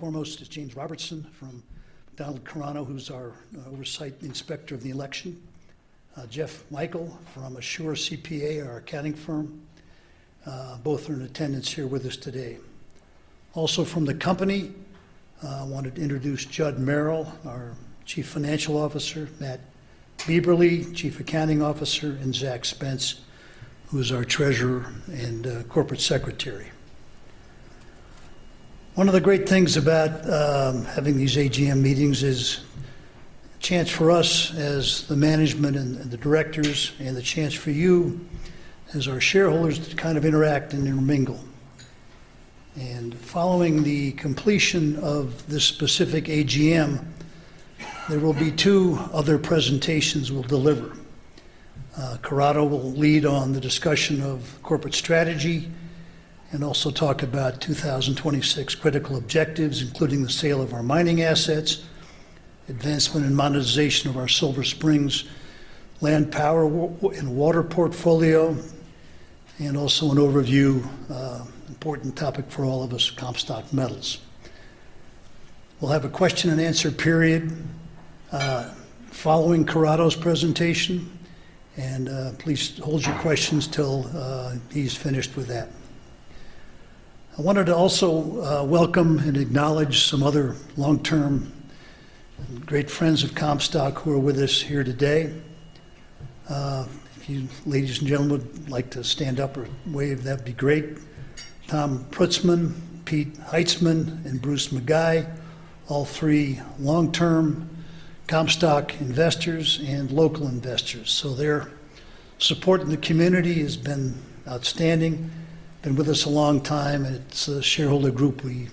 Foremost is James Robertson from Donald Corrado, who's our oversight inspector of the election. Jeff Michael from Assure CPA, our accounting firm. Both are in attendance here with us today. Also from the company, I wanted to introduce Judd Merrill, our Chief Financial Officer, Matt Bieberly, Chief Accounting Officer, and Zach Spencer, who's our Treasurer and Corporate Secretary. One of the great things about having these AGM meetings is a chance for us as the management and the directors, and the chance for you as our shareholders to interact and intermingle. Following the completion of this specific AGM, there will be two other presentations we'll deliver. Corrado will lead on the discussion of corporate strategy and also talk about 2026 critical objectives, including the sale of our mining assets, advancement and monetization of our Silver Springs land, power, and water portfolio, and also an overview, important topic for all of us, Comstock Metals. We'll have a question and answer period following Corrado's presentation. Please hold your questions till he's finished with that. I wanted to also welcome and acknowledge some other long-term great friends of Comstock who are with us here today. If you ladies and gentlemen would like to stand up or wave, that'd be great. Tom Prutzman, Pete Heitzman, and Bruce McGuire, all three long-term Comstock investors and local investors. Their support in the community has been outstanding. Been with us a long time, and it's a shareholder group we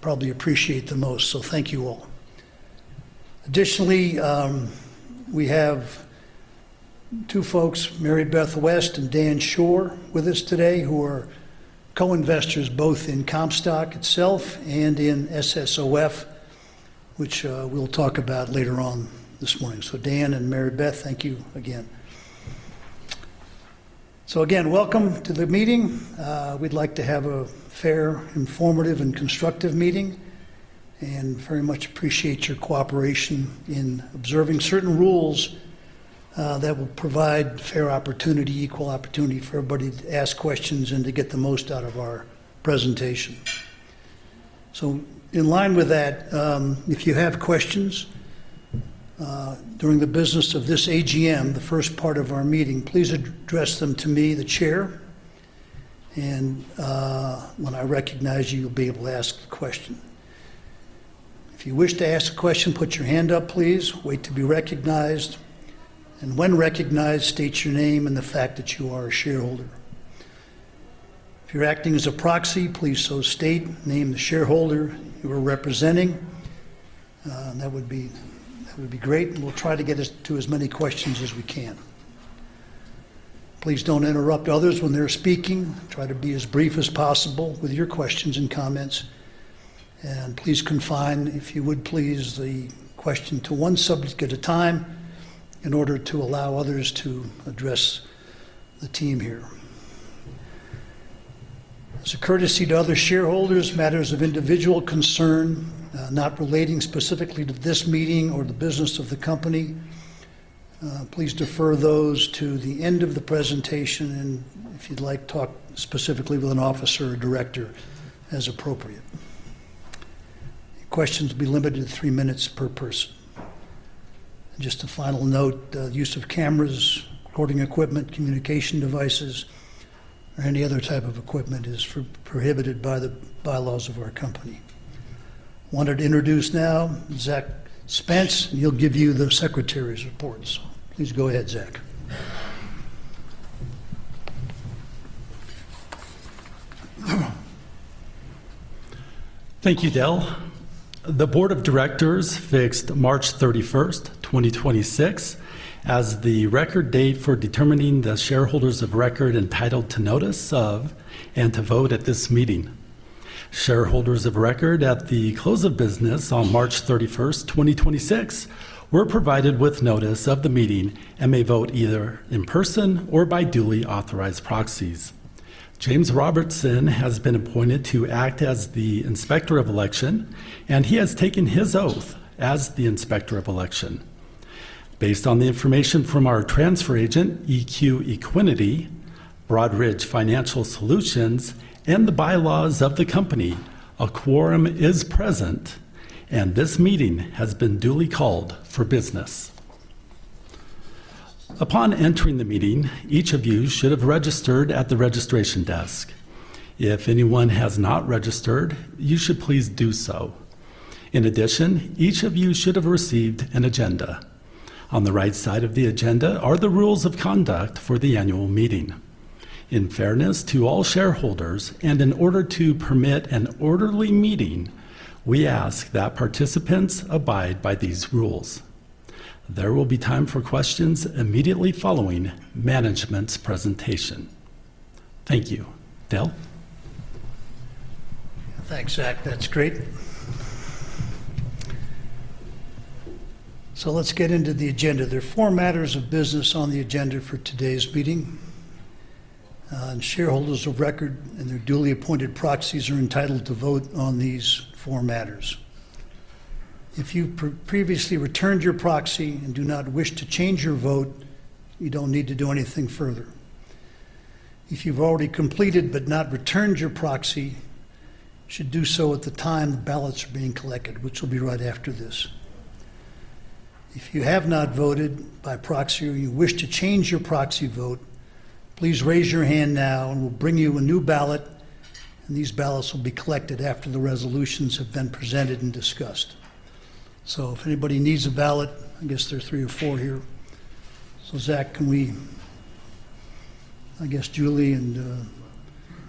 probably appreciate the most. Thank you all. Additionally, we have two folks, Mary Beth West and Dan Schor, with us today who are co-investors both in Comstock itself and in SSOF, which we'll talk about later on this morning. Dan and Mary Beth, thank you again. Again, welcome to the meeting. We'd like to have a fair, informative, and constructive meeting, and very much appreciate your cooperation in observing certain rules that will provide fair opportunity, equal opportunity for everybody to ask questions and to get the most out of our presentation. In line with that, if you have questions, during the business of this AGM, the first part of our meeting, please address them to me, the chair, and when I recognize you'll be able to ask a question. If you wish to ask a question, put your hand up, please. Wait to be recognized. When recognized, state your name and the fact that you are a shareholder. If you're acting as a proxy, please so state. Name the shareholder you are representing, that would be great, and we'll try to get to as many questions as we can. Please don't interrupt others when they're speaking. Try to be as brief as possible with your questions and comments. Please confine, if you would, please, the question to one subject at a time in order to allow others to address the team here. As a courtesy to other shareholders, matters of individual concern, not relating specifically to this meeting or the business of the company, please defer those to the end of the presentation, and if you'd like, talk specifically with an officer or director as appropriate. Questions will be limited to three minutes per person. Just a final note, the use of cameras, recording equipment, communication devices, or any other type of equipment is prohibited by the bylaws of our company. I wanted to introduce now Zach Spencer, and he'll give you the secretary's report. Please go ahead, Zach. Thank you, Del. The board of directors fixed March 31, 2026, as the record date for determining the shareholders of record entitled to notice of and to vote at this meeting. Shareholders of record at the close of business on March 31, 2026, were provided with notice of the meeting and may vote either in person or by duly authorized proxies. James Robertson has been appointed to act as the inspector of election, and he has taken his oath as the inspector of election. Based on the information from our transfer agent, EQ Equiniti, Broadridge Financial Solutions, and the bylaws of the company, a quorum is present and this meeting has been duly called for business. Upon entering the meeting, each of you should have registered at the registration desk. If anyone has not registered, you should please do so. In addition, each of you should have received an agenda. On the right side of the agenda are the rules of conduct for the annual meeting. In fairness to all shareholders and in order to permit an orderly meeting, we ask that participants abide by these rules. There will be time for questions immediately following management's presentation. Thank you. Del? Thanks, Zach. That's great. Let's get into the agenda. There are four matters of business on the agenda for today's meeting. Shareholders of record and their duly appointed proxies are entitled to vote on these four matters. If you previously returned your proxy and do not wish to change your vote, you don't need to do anything further. If you've already completed but not returned your proxy, you should do so at the time the ballots are being collected, which will be right after this. If you have not voted by proxy or you wish to change your proxy vote, please raise your hand now and we'll bring you a new ballot. These ballots will be collected after the resolutions have been presented and discussed. If anybody needs a ballot, I guess there's three or four here. Zach, can we I guess Julie and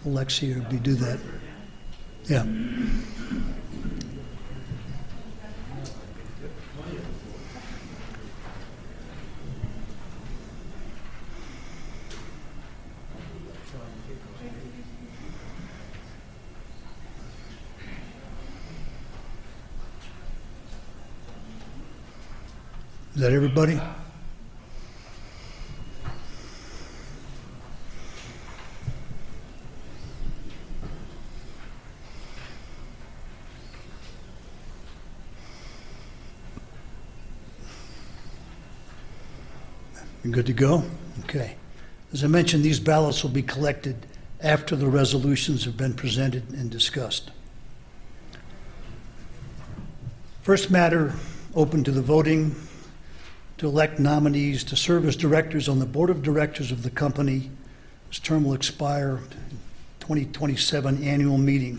Alexia will be do that. Yeah. Is that everybody? We're good to go? Okay. As I mentioned, these ballots will be collected after the resolutions have been presented and discussed. First matter open to the voting, to elect nominees to serve as directors on the board of directors of the company, this term will expire 2027 annual meeting.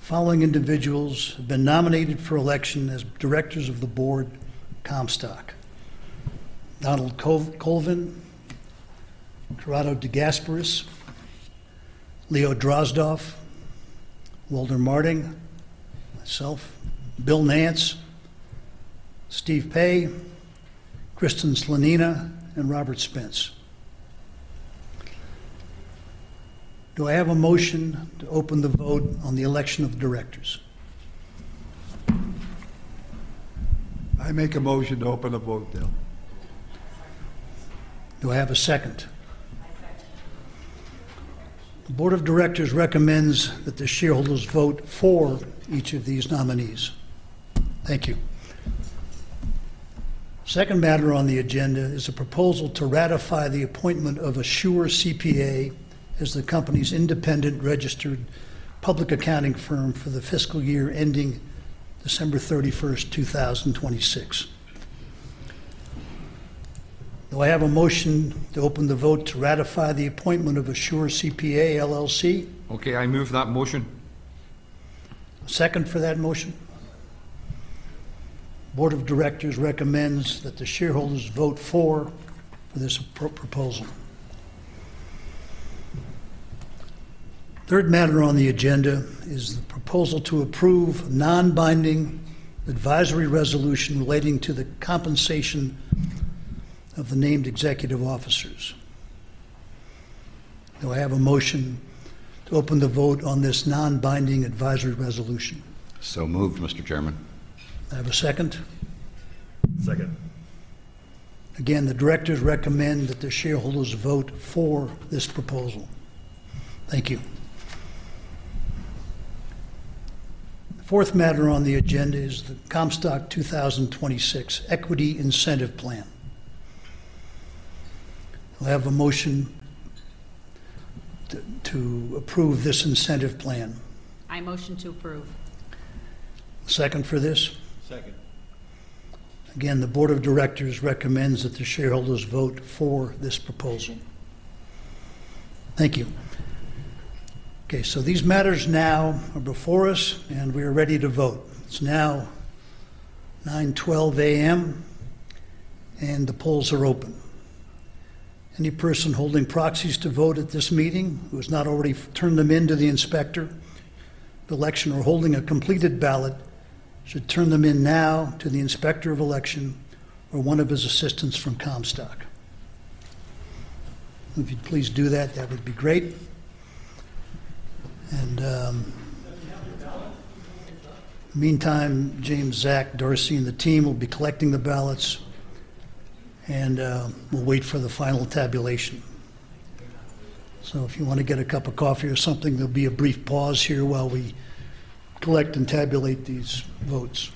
The following individuals have been nominated for election as directors of the board Comstock: Donald Colvin, Corrado De Gasperis, Leo Drozdoff, Walter Marting, myself, Bill Nance, Steve Pei, Kristin Slanina, and Robert Spence. Do I have a motion to open the vote on the election of the directors? I make a motion to open the vote, Bill. Do I have a second? I second. The board of directors recommends that the shareholders vote for each of these nominees. Thank you. Second matter on the agenda is a proposal to ratify the appointment of Assure CPA as the company's independent registered public accounting firm for the fiscal year ending December 31st, 2026. Do I have a motion to open the vote to ratify the appointment of Assure CPA, LLC? Okay, I move that motion. A second for that motion? Second. Board of directors recommends that the shareholders vote for this proposal. Third matter on the agenda is the proposal to approve non-binding advisory resolution relating to the compensation of the named executive officers. Do I have a motion to open the vote on this non-binding advisory resolution? Moved, Mr. Chairman. Do I have a second? Second. The directors recommend that the shareholders vote for this proposal. Thank you. The fourth matter on the agenda is the Comstock 2026 Equity Incentive Plan. Do I have a motion to approve this incentive plan? I motion to approve. A second for this? Second. Again, the board of directors recommends that the shareholders vote for this proposal. Thank you. Okay, these matters now are before us and we are ready to vote. It's now 9:12 A.M. and the polls are open. Any person holding proxies to vote at this meeting who has not already turned them in to the inspector of the election or holding a completed ballot should turn them in now to the inspector of election or one of his assistants from Comstock. If you'd please do that would be great. In the meantime, James, Zach, Darcy, and the team will be collecting the ballots and we'll wait for the final tabulation. If you want to get a cup of coffee or something, there'll be a brief pause here while we collect and tabulate these votes.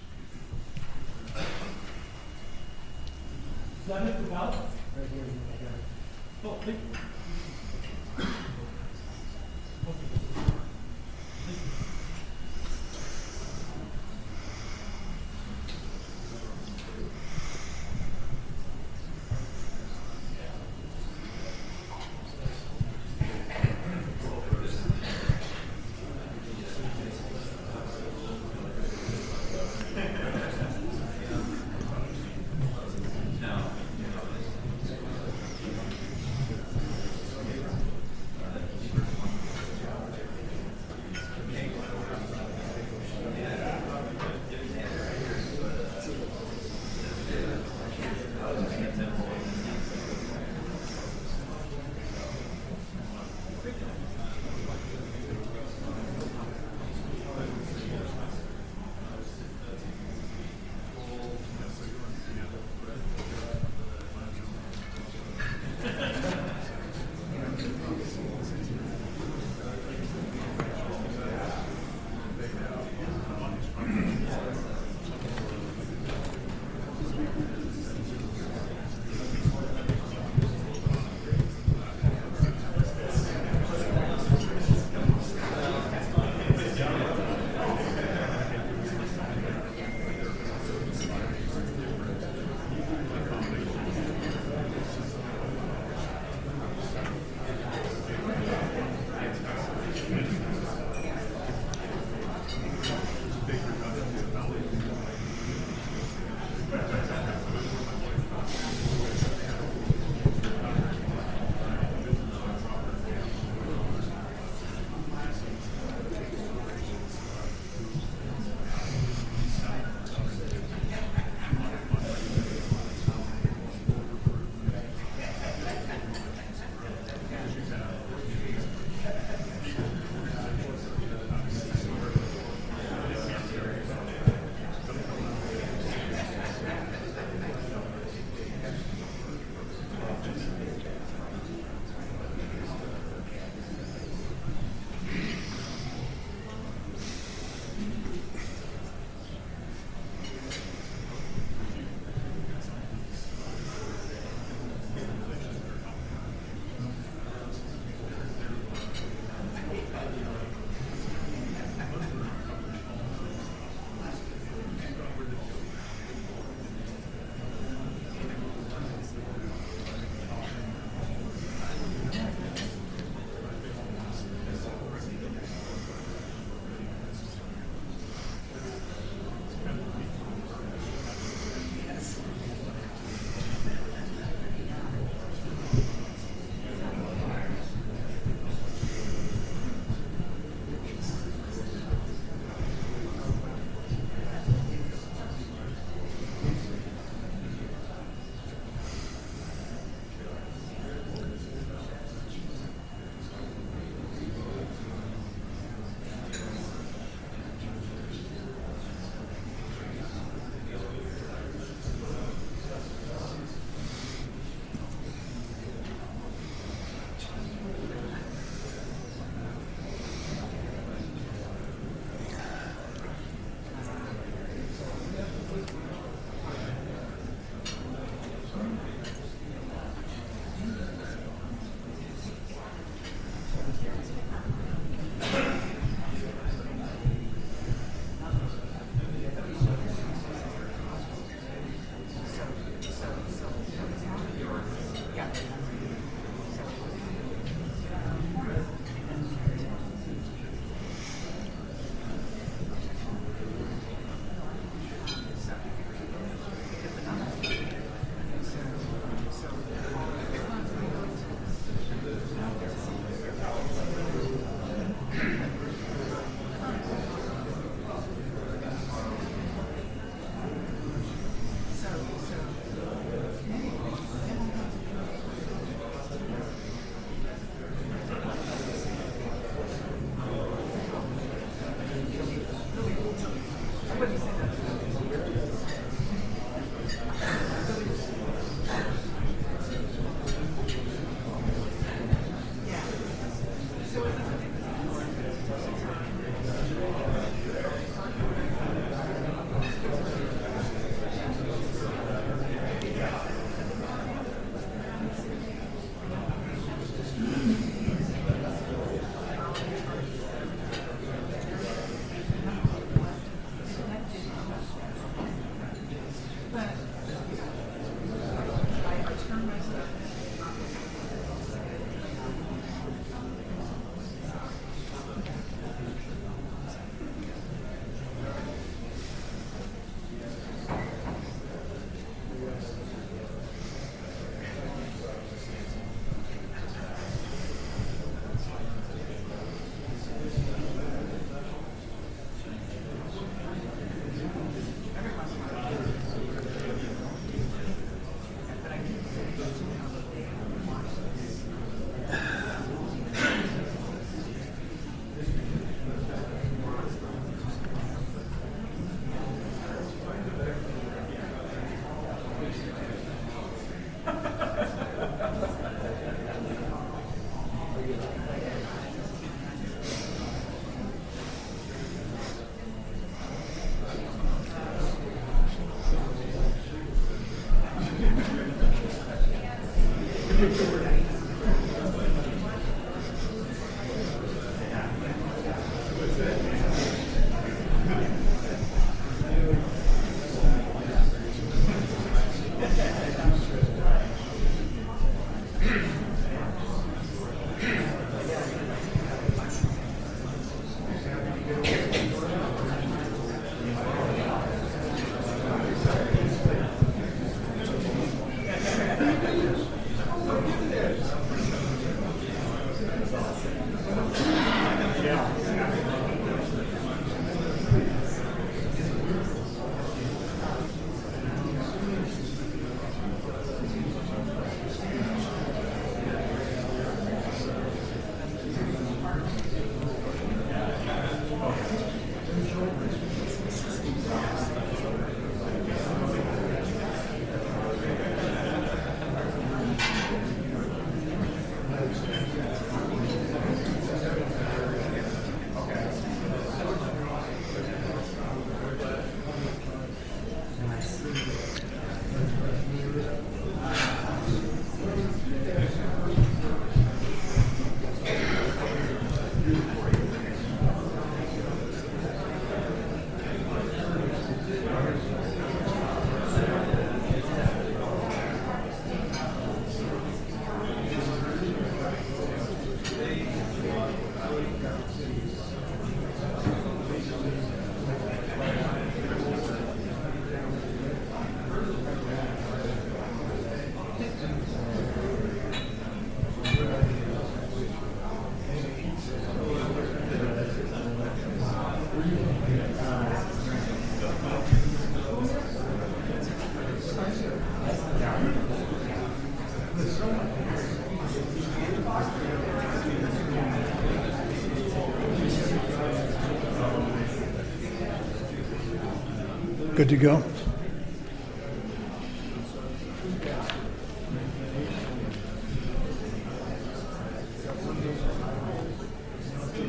Did I miss the ballot? Right here, Mr. Chairman. Oh, thank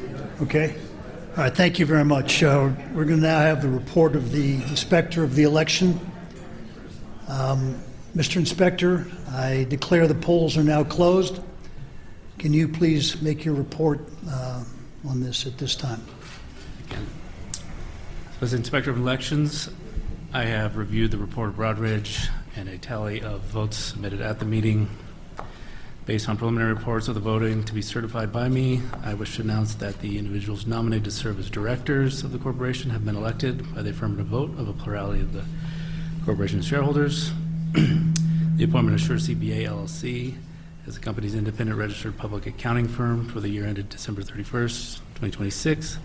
you. Good to go? Okay. All right. Thank you very much. We're going to now have the report of the inspector of the election. Mr. Inspector, I declare the polls are now closed. Can you please make your report on this at this time? I can. As Inspector of Elections, I have reviewed the report of Broadridge and a tally of votes submitted at the meeting. Based on preliminary reports of the voting to be certified by me, I wish to announce that the individuals nominated to serve as directors of the corporation have been elected by the affirmative vote of a plurality of the corporation shareholders. The appointment of Assure CPA, LLC, as the company's independent registered public accounting firm for the year ended December 31st, 2026,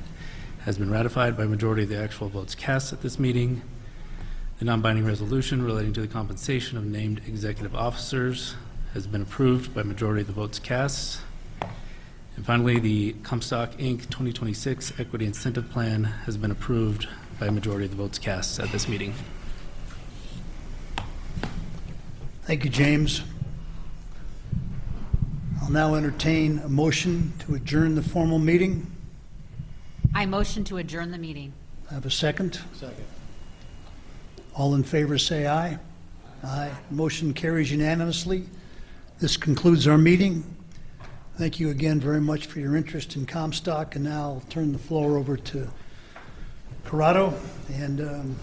has been ratified by a majority of the actual votes cast at this meeting. The non-binding resolution relating to the compensation of named executive officers has been approved by a majority of the votes cast. Finally, the Comstock Inc. 2026 Equity Incentive Plan has been approved by a majority of the votes cast at this meeting. Thank you, James. I'll now entertain a motion to adjourn the formal meeting. I motion to adjourn the meeting. Do I have a second? Second. All in favor say aye. Aye. Motion carries unanimously. This concludes our meeting. Thank you again very much for your interest in Comstock, and now I'll turn the floor over to Corrado, and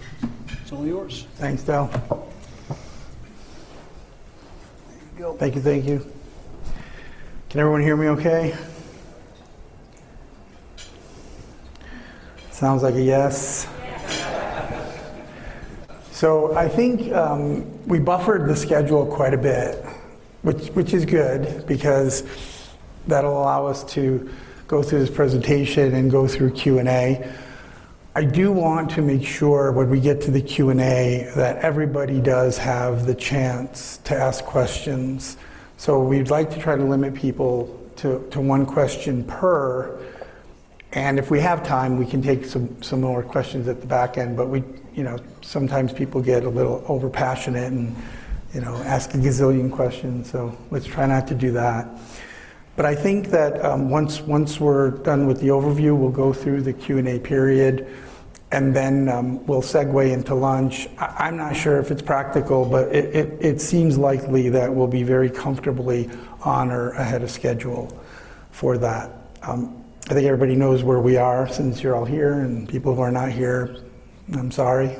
it's all yours. Thanks, Del. There you go. Thank you. Can everyone hear me okay? Sounds like a yes. I think we buffered the schedule quite a bit, which is good, because that'll allow us to go through this presentation and go through Q&A. I do want to make sure when we get to the Q&A that everybody does have the chance to ask questions. We'd like to try to limit people to one question per, and if we have time, we can take some more questions at the back end. Sometimes people get a little over-passionate and ask a gazillion questions, so let's try not to do that. I think that once we're done with the overview, we'll go through the Q&A period, and then we'll segue into lunch. I'm not sure if it's practical, but it seems likely that we'll be very comfortably on or ahead of schedule for that. I think everybody knows where we are since you're all here, and people who are not here, I'm sorry.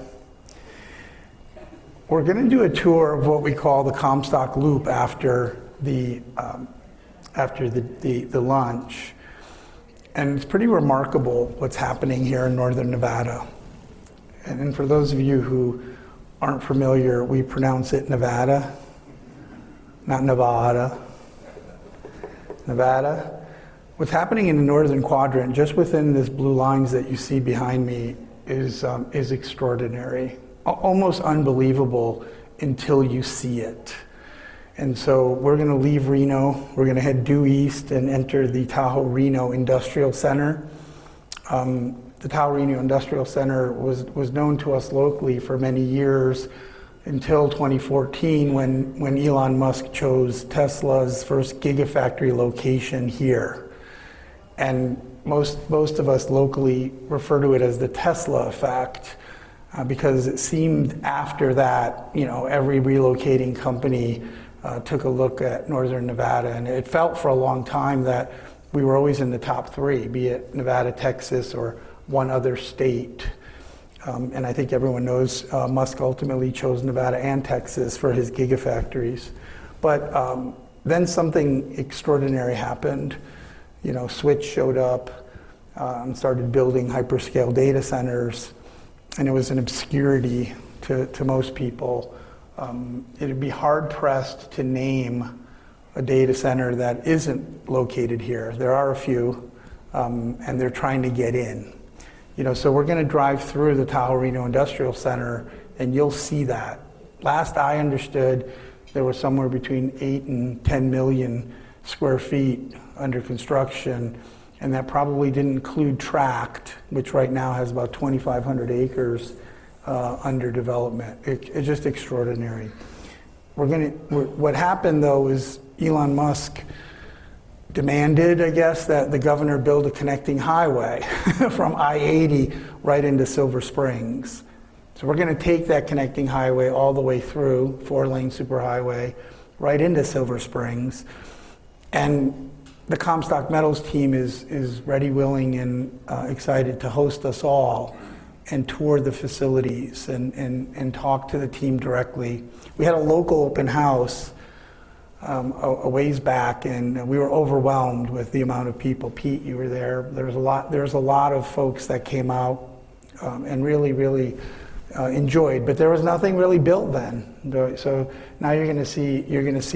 We're going to do a tour of what we call the Comstock Loop after the lunch, and it's pretty remarkable what's happening here in Northern Nevada. For those of you who aren't familiar, we pronounce it Nevada, not Nevada. Nevada. What's happening in the northern quadrant, just within these blue lines that you see behind me, is extraordinary. Almost unbelievable until you see it. We're going to leave Reno, we're going to head due east and enter the Tahoe-Reno Industrial Center. The Tahoe-Reno Industrial Center was known to us locally for many years until 2014 when Elon Musk chose Tesla's first Gigafactory location here. Most of us locally refer to it as the Tesla effect, because it seemed after that, every relocating company took a look at Northern Nevada. It felt for a long time that we were always in the top three, be it Nevada, Texas, or one other state. I think everyone knows Musk ultimately chose Nevada and Texas for his Gigafactories. Something extraordinary happened. Switch showed up and started building hyperscale data centers, and it was an obscurity to most people. It'd be hard-pressed to name a data center that isn't located here. There are a few, and they're trying to get in. We're going to drive through the Tahoe-Reno Industrial Center, and you'll see that. Last I understood, there was somewhere between eight and 10 million square feet under construction, and that probably didn't include Tract, which right now has about 2,500 acres under development. It's just extraordinary. What happened, though, is Elon Musk demanded, I guess, that the governor build a connecting highway from I-80 right into Silver Springs. We're going to take that connecting highway all the way through, four-lane superhighway, right into Silver Springs. The Comstock Metals team is ready, willing, and excited to host us all and tour the facilities and talk to the team directly. We had a local open house a ways back, and we were overwhelmed with the amount of people. Pete, you were there. There was a lot of folks that came out, and really enjoyed. There was nothing really built then. Now you're going to see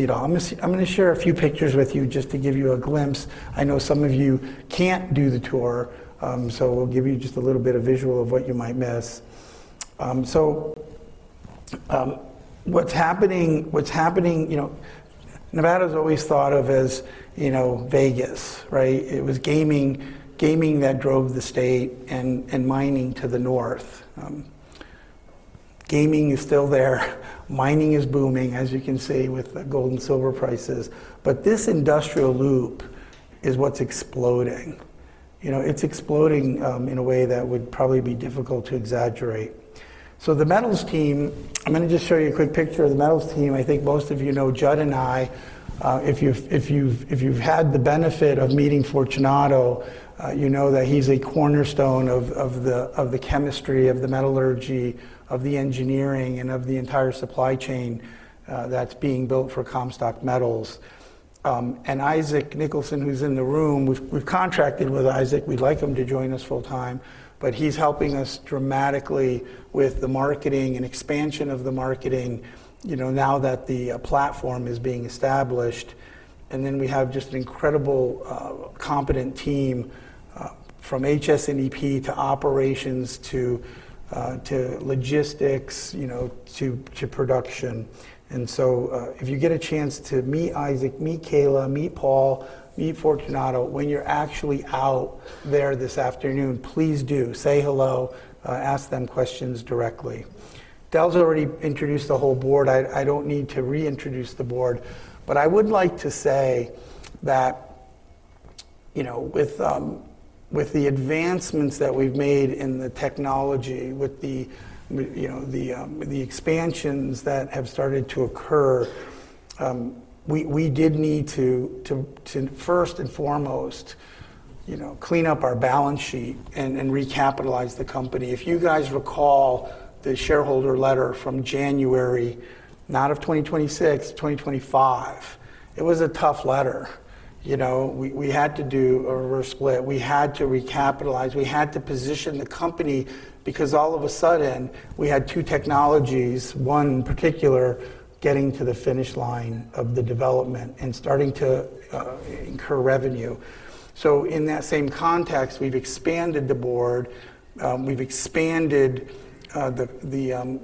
it all. I'm going to share a few pictures with you just to give you a glimpse. I know some of you can't do the tour, we'll give you just a little bit of visual of what you might miss. What's happening, Nevada's always thought of as Vegas, right? It was gaming that drove the state, and mining to the north. Gaming is still there. Mining is booming, as you can see with the gold and silver prices. This industrial loop is what's exploding. It's exploding in a way that would probably be difficult to exaggerate. The Metals team, I'm going to just show you a quick picture of the Metals team. I think most of you know Judd and I. If you've had the benefit of meeting Fortunato, you know that he's a cornerstone of the chemistry, of the metallurgy, of the engineering, and of the entire supply chain that's being built for Comstock Metals. Isaac Nicholson, who's in the room, we've contracted with Isaac. We'd like him to join us full time, but he's helping us dramatically with the marketing and expansion of the marketing now that the platform is being established. We have just an incredible, competent team from HS&EP to operations to logistics to production. If you get a chance to meet Isaac, meet Kayla, meet Paul, meet Fortunato, when you're actually out there this afternoon, please do. Say hello, ask them questions directly. Del's already introduced the whole board. I don't need to reintroduce the board. I would like to say that with the advancements that we've made in the technology, with the expansions that have started to occur, we did need to first and foremost clean up our balance sheet and recapitalize the company. If you guys recall the shareholder letter from January, not of 2026, 2025. It was a tough letter. We had to do a reverse split. We had to recapitalize. We had to position the company because all of a sudden we had two technologies, one in particular getting to the finish line of the development and starting to incur revenue. In that same context, we've expanded the board. We've expanded the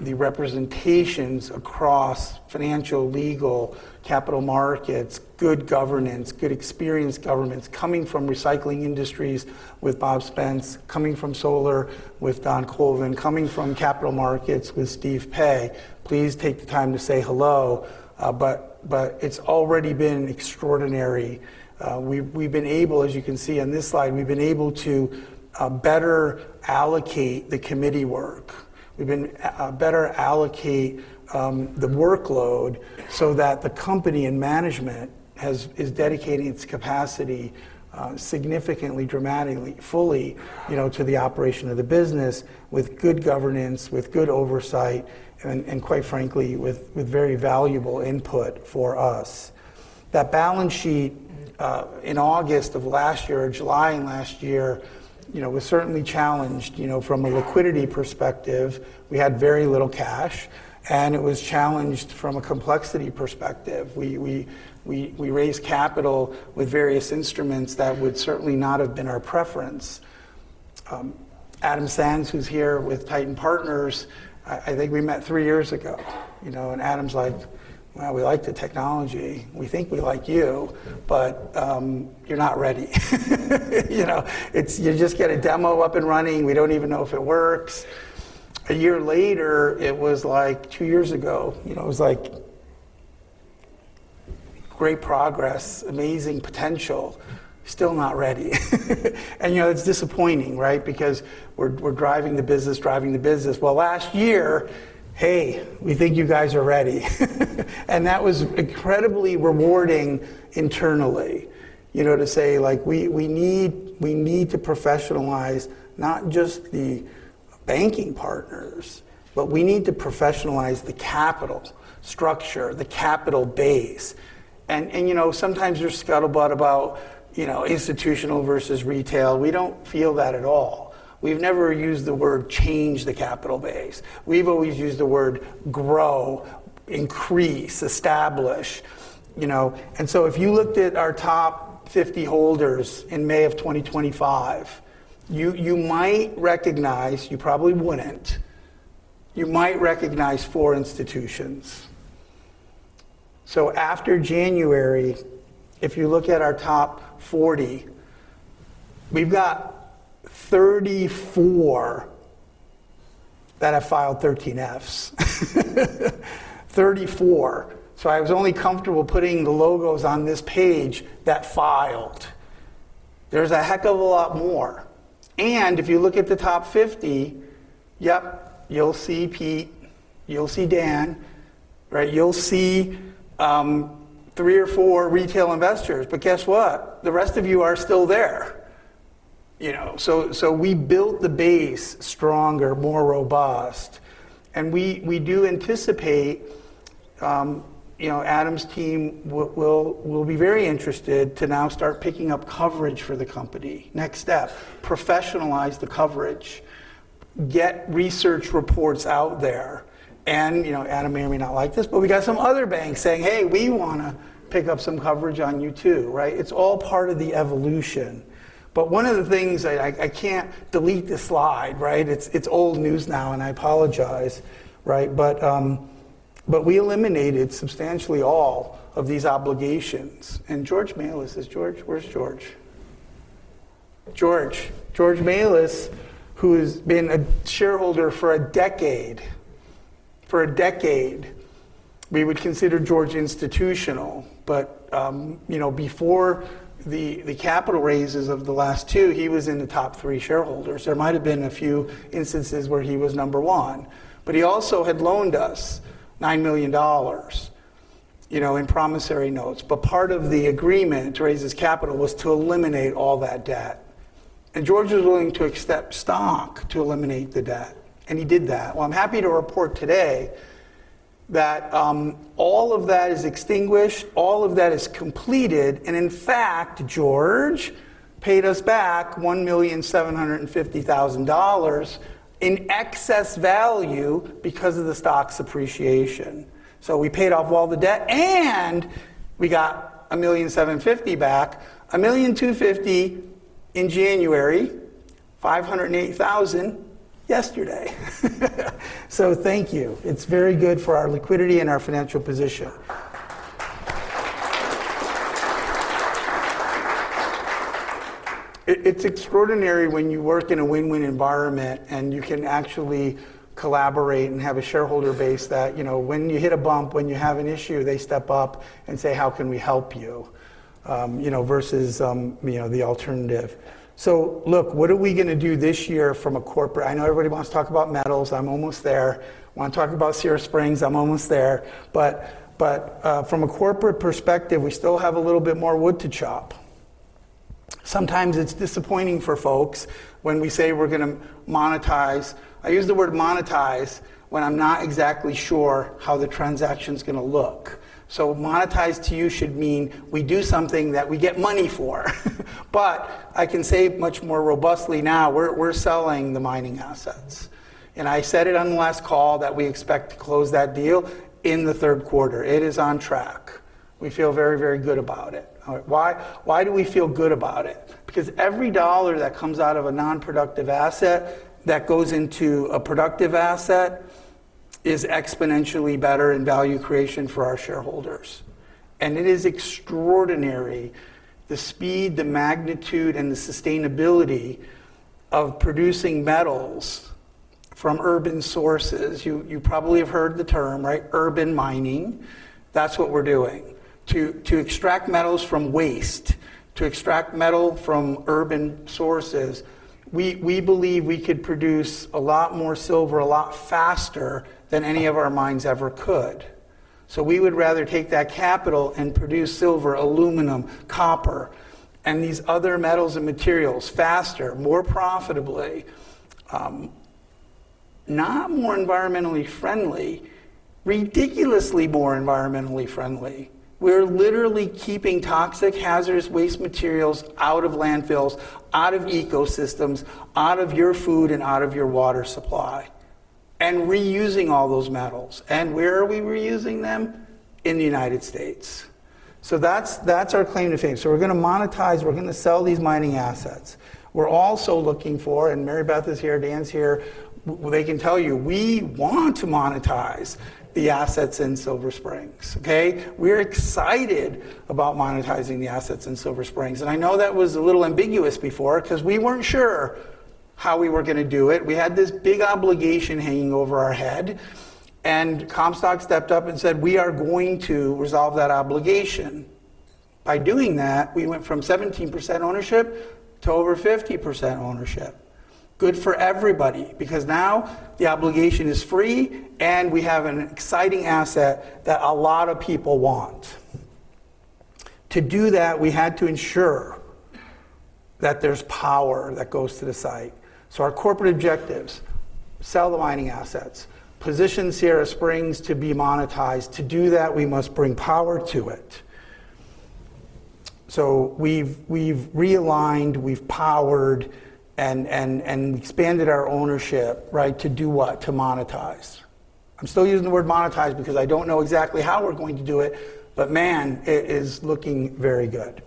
representations across financial, legal, capital markets, good governance, good experienced governance, coming from recycling industries with Bob Spence, coming from solar with Don Colvin, coming from capital markets with Steven Pei. Please take the time to say hello. It's already been extraordinary. We've been able, as you can see on this slide, we've been able to better allocate the committee work. Better allocate the workload so that the company and management is dedicating its capacity significantly, dramatically, fully, to the operation of the business with good governance, with good oversight, and quite frankly, with very valuable input for us. That balance sheet in August of last year or July in last year was certainly challenged from a liquidity perspective. We had very little cash, and it was challenged from a complexity perspective. We raised capital with various instruments that would certainly not have been our preference. Adam Sands, who's here with Titan Partners, I think we met three years ago. Adam's like, "Well, we like the technology. We think we like you, but you're not ready. You just get a demo up and running. We don't even know if it works." A year later, it was like two years ago, it was like, "Great progress. Amazing potential. Still not ready." It's disappointing, right. Because we're driving the business. Last year, "Hey, we think you guys are ready." That was incredibly rewarding internally, to say, like we need to professionalize not just the banking partners, but we need to professionalize the capital structure, the capital base. Sometimes there's scuttlebutt about institutional versus retail. We don't feel that at all. We've never used the word change the capital base. We've always used the word grow, increase, establish. If you looked at our top 50 holders in May of 2025, you might recognize, you might recognize four institutions. After January, if you look at our top 40, we've got 34 that have filed 13-Fs. 34. I was only comfortable putting the logos on this page that filed. There's a heck of a lot more. If you look at the top 50, yep, you'll see Pete, you'll see Dan. You'll see three or four retail investors. Guess what? The rest of you are still there. We built the base stronger, more robust, and we do anticipate Adam's team will be very interested to now start picking up coverage for the company. Next step, professionalize the coverage, get research reports out there. Adam may or may not like this, but we got some other banks saying, "Hey, we want to pick up some coverage on you, too." It's all part of the evolution. One of the things, I can't delete this slide. It's old news now, and I apologize. We eliminated substantially all of these obligations. George Malis. Is this George? Where's George? George. George Malis, who has been a shareholder for a decade. For a decade. We would consider George institutional, but before the capital raises of the last two, he was in the top three shareholders. There might've been a few instances where he was number one. He also had loaned us $9 million in promissory notes. Part of the agreement to raise his capital was to eliminate all that debt. George was willing to accept stock to eliminate the debt, and he did that. I'm happy to report today that all of that is extinguished, all of that is completed, and in fact, George paid us back $1.75 million in excess value because of the stock's appreciation. We paid off all the debt, and we got $1.75 million back, $1.25 miilion in January, $580,000 yesterday. Thank you. It's very good for our liquidity and our financial position. It's extraordinary when you work in a win-win environment, and you can actually collaborate and have a shareholder base that when you hit a bump, when you have an issue, they step up and say, "How can we help you?" Versus the alternative. Look, what are we going to do this year. I know everybody wants to talk about metals. I'm almost there. Want to talk about Sierra Springs. I'm almost there. From a corporate perspective, we still have a little bit more wood to chop. Sometimes it's disappointing for folks when we say we're going to monetize. I use the word monetize when I'm not exactly sure how the transaction's going to look. Monetize to you should mean we do something that we get money for. I can say much more robustly now, we're selling the mining assets. I said it on the last call that we expect to close that deal in the third quarter. It is on track. We feel very, very good about it. Why? Why do we feel good about it? Because every dollar that comes out of a non-productive asset that goes into a productive asset is exponentially better in value creation for our shareholders. It is extraordinary the speed, the magnitude, and the sustainability of producing metals from urban sources. You probably have heard the term, urban mining. That's what we're doing. To extract metals from waste, to extract metal from urban sources. We believe we could produce a lot more silver a lot faster than any of our mines ever could. We would rather take that capital and produce silver, aluminum, copper, and these other metals and materials faster, more profitably. Not more environmentally friendly, ridiculously more environmentally friendly. We're literally keeping toxic, hazardous waste materials out of landfills, out of ecosystems, out of your food, and out of your water supply, and reusing all those metals. Where are we reusing them? In the U.S. That's our claim to fame. We're going to monetize, we're going to sell these mining assets. We're also looking for, and Mary Beth is here, Dan's here, they can tell you, we want to monetize the assets in Silver Springs. We're excited about monetizing the assets in Silver Springs. I know that was a little ambiguous before because we weren't sure how we were going to do it. We had this big obligation hanging over our head, Comstock stepped up and said we are going to resolve that obligation. By doing that, we went from 17% ownership to over 50% ownership. Good for everybody, because now the obligation is free, and we have an exciting asset that a lot of people want. To do that, we had to ensure that there's power that goes to the site. Our corporate objectives, sell the mining assets, position Sierra Springs to be monetized. To do that, we must bring power to it. We've realigned, we've powered, and expanded our ownership to do what? To monetize. I'm still using the word monetize because I don't know exactly how we're going to do it, but man, it is looking very good.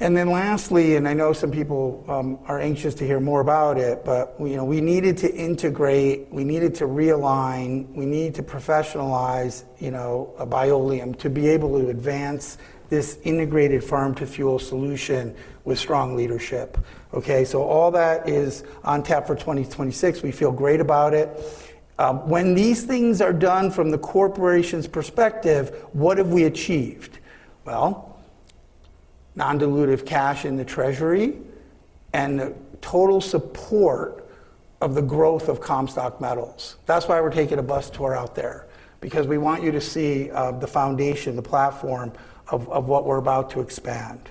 Lastly, and I know some people are anxious to hear more about it, but we needed to integrate, we needed to realign, we need to professionalize Bioleum to be able to advance this integrated farm-to-fuel solution with strong leadership. Okay, all that is on tap for 2026. We feel great about it. When these things are done from the corporation's perspective, what have we achieved? Well, non-dilutive cash in the treasury and the total support of the growth of Comstock Metals. That's why we're taking a bus tour out there, because we want you to see the foundation, the platform of what we're about to expand.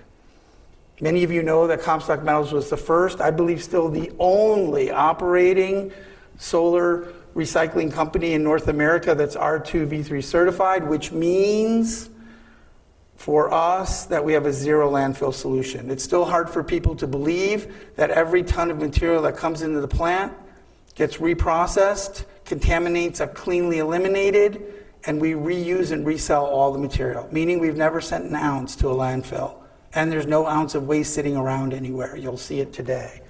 Many of you know that Comstock Metals was the first, I believe still the only operating solar recycling company in North America that's R2v3 certified, which means for us that we have a zero landfill solution. It's still hard for people to believe that every ton of material that comes into the plant gets reprocessed, contaminates are cleanly eliminated, and we reuse and resell all the material, meaning we've never sent an ounce to a landfill, and there's no ounce of waste sitting around anywhere. You'll see it today.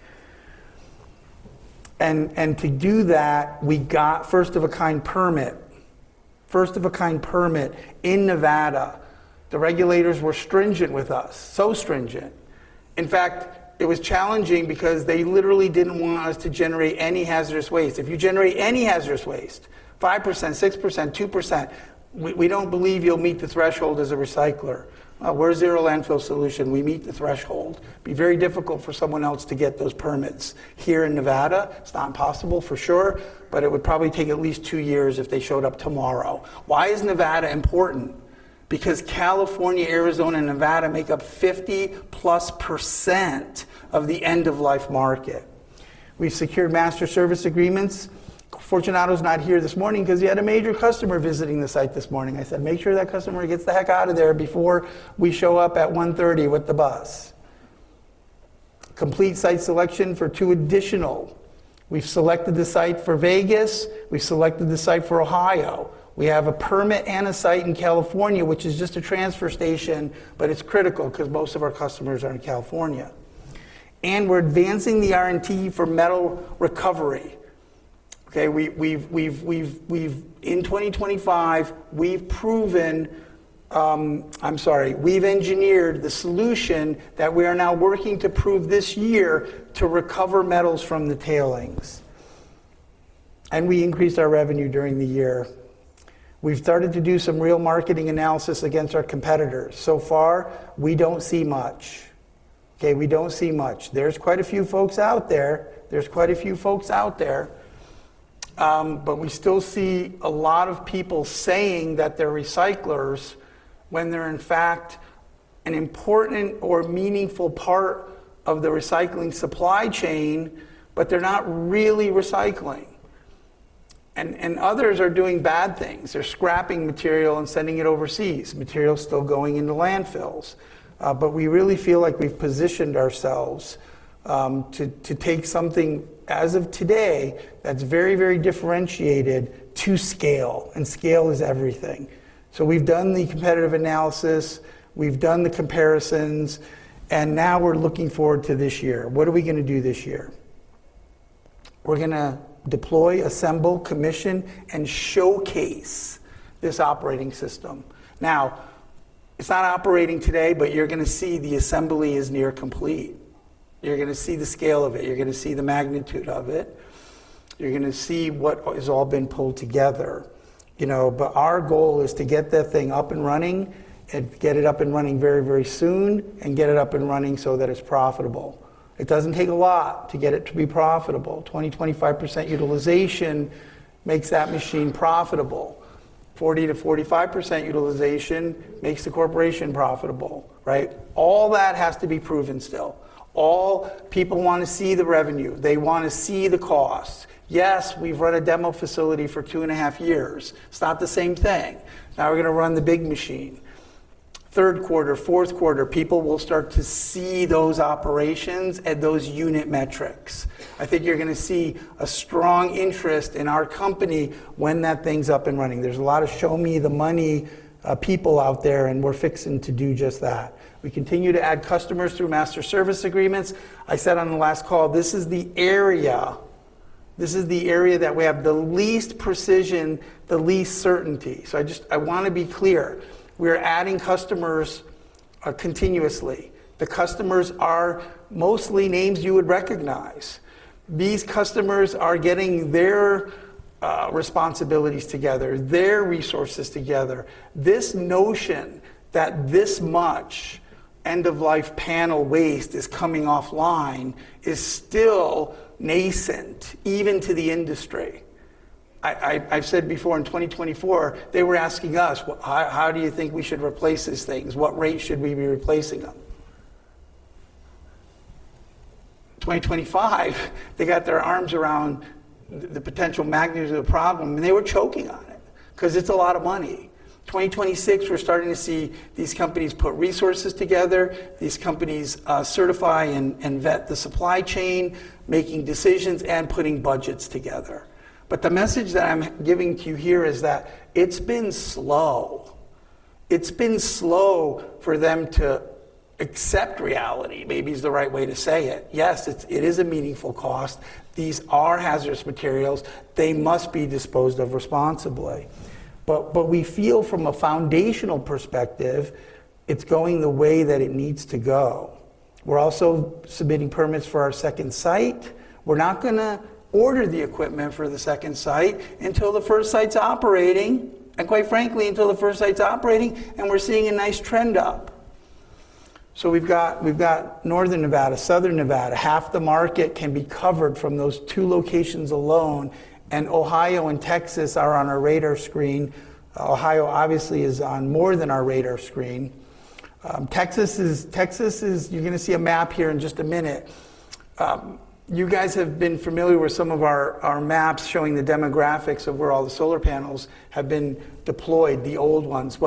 To do that, we got first of a kind permit in Nevada. The regulators were stringent with us, so stringent. In fact, it was challenging because they literally didn't want us to generate any hazardous waste. If you generate any hazardous waste, 5%, 6%, 2%, we don't believe you'll meet the threshold as a recycler. We're a zero landfill solution. We meet the threshold. It'd be very difficult for someone else to get those permits here in Nevada. It's not impossible for sure, but it would probably take at least two years if they showed up tomorrow. Why is Nevada important? California, Arizona, and Nevada make up 50+% of the end-of-life market. We've secured master service agreements. Fortunato's not here this morning because he had a major customer visiting the site this morning. I said, "Make sure that customer gets the heck out of there before we show up at 1:30 P.M. with the bus." Complete site selection for two additional. We've selected the site for Vegas, we've selected the site for Ohio. We have a permit and a site in California, which is just a transfer station, but it's critical because most of our customers are in California. We're advancing the R&T for metal recovery. Okay, in 2025 I'm sorry, we've engineered the solution that we are now working to prove this year to recover metals from the tailings. We increased our revenue during the year. We've started to do some real marketing analysis against our competitors. So far, we don't see much. Okay. We don't see much. There's quite a few folks out there, but we still see a lot of people saying that they're recyclers when they're in fact an important or meaningful part of the recycling supply chain, but they're not really recycling. Others are doing bad things. They're scrapping material and sending it overseas. Material is still going into landfills. We really feel like we've positioned ourselves to take something as of today that's very, very differentiated to scale, and scale is everything. We've done the competitive analysis, we've done the comparisons, and now we're looking forward to this year. What are we going to do this year? We're going to deploy, assemble, commission, and showcase this operating system. It's not operating today, but you're going to see the assembly is near complete. You're going to see the scale of it. You're going to see the magnitude of it. You're going to see what has all been pulled together. Our goal is to get that thing up and running, and get it up and running very, very soon, and get it up and running so that it's profitable. It doesn't take a lot to get it to be profitable. 20%, 25% utilization makes that machine profitable. 40% to 45% utilization makes the corporation profitable, right? All that has to be proven still. All people want to see the revenue. They want to see the cost. Yes, we've run a demo facility for two and a half years. It's not the same thing. Now we're going to run the big machine. Third quarter, fourth quarter, people will start to see those operations and those unit metrics. I think you're going to see a strong interest in our company when that thing's up and running. There's a lot of show-me-the-money people out there, and we're fixing to do just that. We continue to add customers through master service agreements. I said on the last call, this is the area that we have the least precision, the least certainty. I want to be clear. We're adding customers continuously. The customers are mostly names you would recognize. These customers are getting their responsibilities together, their resources together. This notion that this much end-of-life panel waste is coming offline is still nascent, even to the industry. I've said before, in 2024, they were asking us, "Well, how do you think we should replace these things? What rate should we be replacing them?" 2025, they got their arms around the potential magnitude of the problem, they were choking on it because it's a lot of money. 2026, we're starting to see these companies put resources together, these companies certify and vet the supply chain, making decisions and putting budgets together. The message that I'm giving to you here is that it's been slow for them to accept reality, maybe is the right way to say it. Yes, it is a meaningful cost. These are hazardous materials. They must be disposed of responsibly. We feel from a foundational perspective, it's going the way that it needs to go. We're also submitting permits for our second site. We're not going to order the equipment for the second site until the first site's operating, and quite frankly, until the first site's operating and we're seeing a nice trend up. We've got Northern Nevada, Southern Nevada, half the market can be covered from those two locations alone, and Ohio and Texas are on our radar screen. Ohio obviously is on more than our radar screen. You're going to see a map here in just a minute. You guys have been familiar with some of our maps showing the demographics of where all the solar panels have been deployed, the old ones. A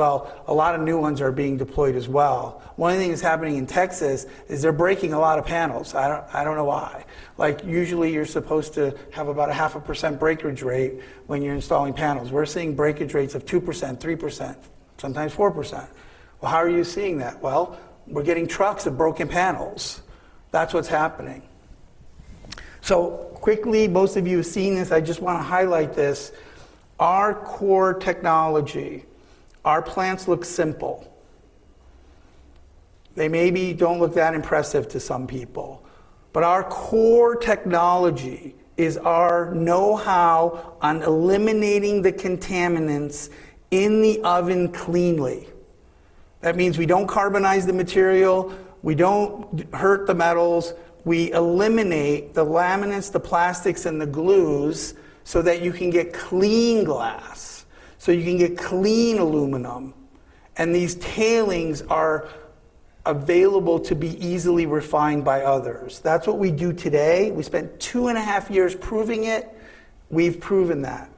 lot of new ones are being deployed as well. One of the things happening in Texas is they're breaking a lot of panels. I don't know why. Usually, you're supposed to have about a half a percent breakage rate when you're installing panels. We're seeing breakage rates of 2%, 3%, sometimes 4%. Well, how are you seeing that? Well, we're getting trucks of broken panels. That's what's happening. Quickly, most of you have seen this, I just want to highlight this. Our core technology, our plants look simple. They maybe don't look that impressive to some people, but our core technology is our know-how on eliminating the contaminants in the oven cleanly. That means we don't carbonize the material, we don't hurt the metals. We eliminate the laminates, the plastics, and the glues so that you can get clean glass, so you can get clean aluminum, and these tailings are available to be easily refined by others. That's what we do today. We spent two and a half years proving it. We've proven that.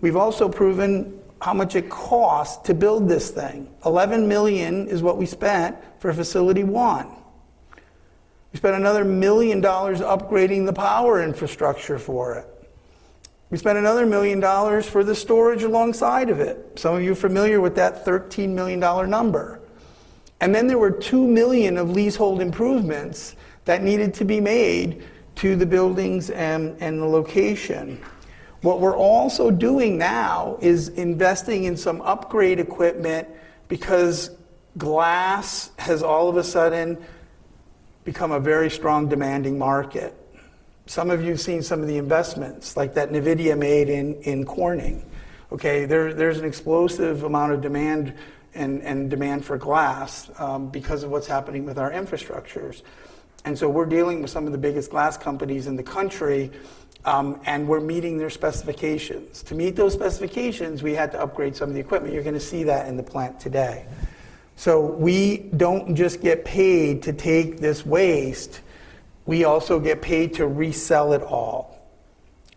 We've also proven how much it costs to build this thing. $11 million is what we spent for facility one. We spent another $1 million upgrading the power infrastructure for it. We spent another $1 million for the storage alongside of it. Some of you are familiar with that $13 million number. There were $2 million of leasehold improvements that needed to be made to the buildings and the location. What we're also doing now is investing in some upgrade equipment because glass has all of a sudden become a very strong demanding market. Some of you have seen some of the investments like that NVIDIA made in Corning. There's an explosive amount of demand and demand for glass because of what's happening with our infrastructures. We're dealing with some of the biggest glass companies in the country, and we're meeting their specifications. To meet those specifications, we had to upgrade some of the equipment. You're going to see that in the plant today. We don't just get paid to take this waste, we also get paid to resell it all.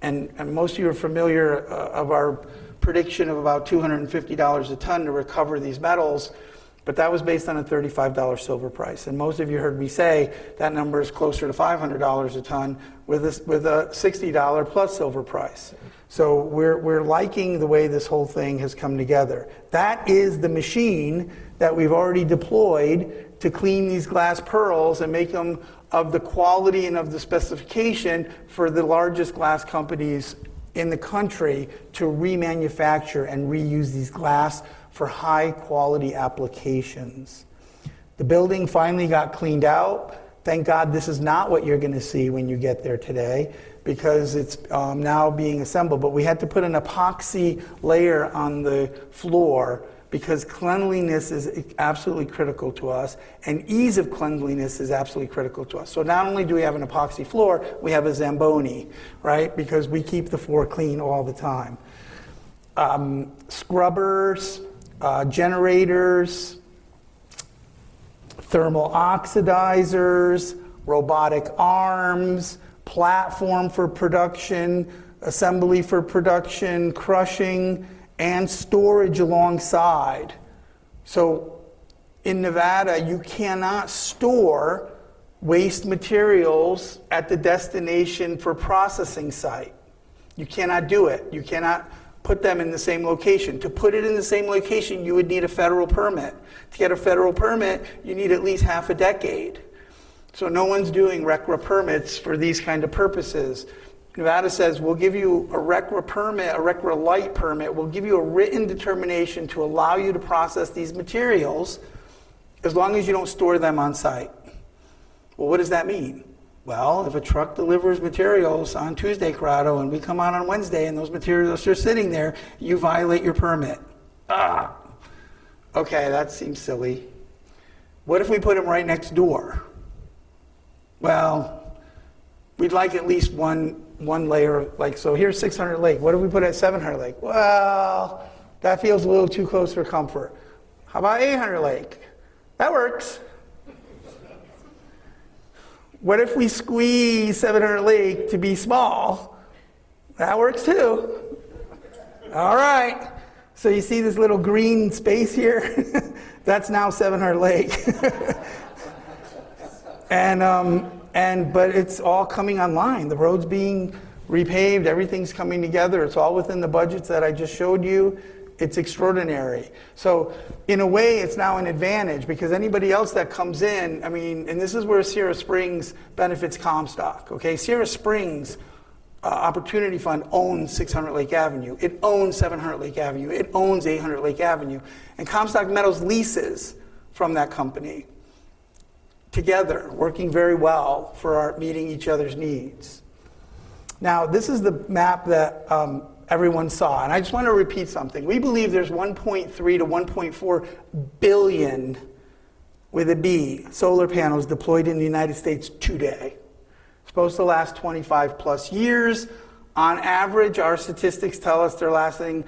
Most of you are familiar of our prediction of about $250 a ton to recover these metals, but that was based on a $35 silver price. Most of you heard me say that number is closer to $500 a ton with a $60 plus silver price. We're liking the way this whole thing has come together. That is the machine that we've already deployed to clean these glass pearls and make them of the quality and of the specification for the largest glass companies in the country to remanufacture and reuse these glass for high-quality applications. The building finally got cleaned out. Thank God this is not what you're going to see when you get there today because it's now being assembled. We had to put an epoxy layer on the floor because cleanliness is absolutely critical to us, and ease of cleanliness is absolutely critical to us. Not only do we have an epoxy floor, we have a Zamboni, right? We keep the floor clean all the time. Scrubbers, generators, thermal oxidizers, robotic arms, platform for production, assembly for production, crushing, and storage alongside. In Nevada, you cannot store waste materials at the destination for processing site. You cannot do it. You cannot put them in the same location. To put it in the same location, you would need a federal permit. To get a federal permit, you need at least half a decade. No one's doing RCRA permits for these kind of purposes. Nevada says, "We'll give you a RCRA permit, a RCRA light permit. We'll give you a written determination to allow you to process these materials as long as you don't store them on site." Well, what does that mean? Well, if a truck delivers materials on Tuesday, Corrado, and we come out on Wednesday and those materials are sitting there, you violate your permit. Okay, that seems silly. What if we put them right next door? Well, we'd like at least one layer. Here's 600 Lake. What if we put it at 700 Lake? Well, that feels a little too close for comfort. How about 800 Lake? That works. What if we squeeze 700 Lake to be small? That works, too. All right. You see this little green space here? That's now 700 Lake. It's all coming online. The road's being repaved. Everything's coming together. It's all within the budgets that I just showed you. It's extraordinary. In a way, it's now an advantage because anybody else that comes in, and this is where Sierra Springs benefits Comstock. Okay? Sierra Springs Opportunity Fund owns 600 Lake Avenue. It owns 700 Lake Avenue. It owns 800 Lake Avenue. Comstock Metals leases from that company, together working very well for meeting each other's needs. This is the map that everyone saw, and I just want to repeat something. We believe there's 1.3 to 1.4 billion, with a B, solar panels deployed in the United States today. Supposed to last 25-plus years. On average, our statistics tell us they're lasting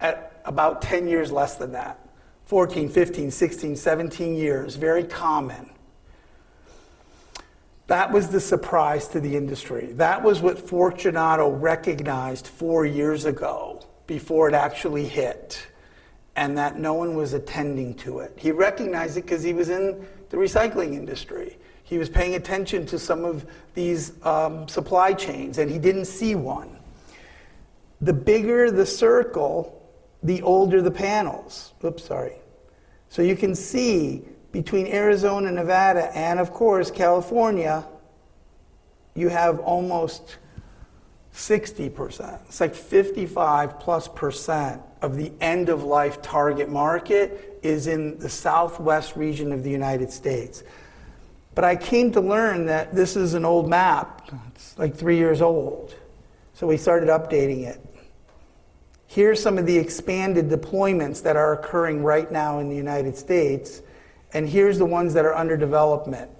at about 10 years less than that. 14, 15, 16, 17 years. Very common. That was the surprise to the industry. That was what Fortunato recognized four years ago before it actually hit, and that no one was attending to it. He recognized it because he was in the recycling industry. He was paying attention to some of these supply chains, and he didn't see one. The bigger the circle, the older the panels. Oops, sorry. You can see between Arizona and Nevada and, of course, California, you have almost 60%. It's like 55-plus% of the end-of-life target market is in the southwest region of the U.S. I came to learn that this is an old map. It's like three years old. We started updating it. Here's some of the expanded deployments that are occurring right now in the U.S., here's the ones that are under development.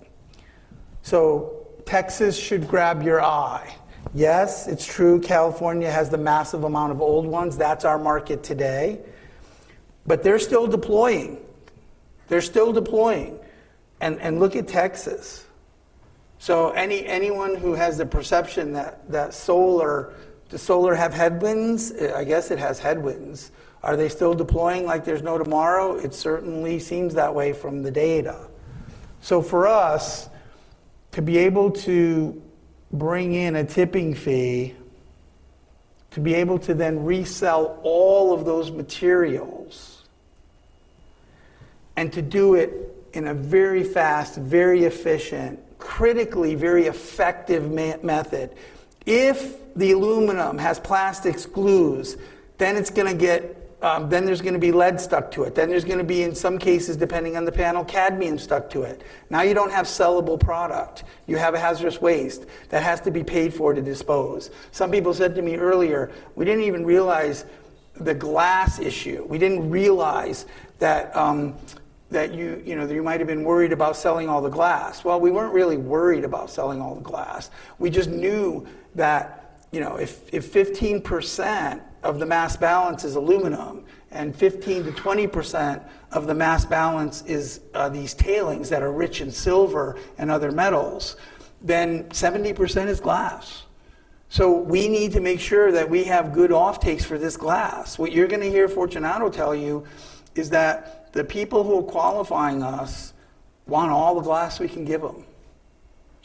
Texas should grab your eye. Yes, it's true, California has the massive amount of old ones. That's our market today. They're still deploying. They're still deploying. Look at Texas. Anyone who has the perception that solar Does solar have headwinds? I guess it has headwinds. Are they still deploying like there's no tomorrow? It certainly seems that way from the data. For us to be able to bring in a tipping fee, to be able to then resell all of those materials, and to do it in a very fast, very efficient, critically very effective method. If the aluminum has plastics glues, then there's going to be lead stuck to it. There's going to be, in some cases, depending on the panel, cadmium stuck to it. Now you don't have sellable product. You have a hazardous waste that has to be paid for to dispose. Some people said to me earlier, "We didn't even realize the glass issue. We didn't realize that you might've been worried about selling all the glass." Well, we weren't really worried about selling all the glass. We just knew that if 15% of the mass balance is aluminum and 15%-20% of the mass balance is these tailings that are rich in silver and other metals, 70% is glass. We need to make sure that we have good off takes for this glass. What you're going to hear Fortunato tell you is that the people who are qualifying us want all the glass we can give them.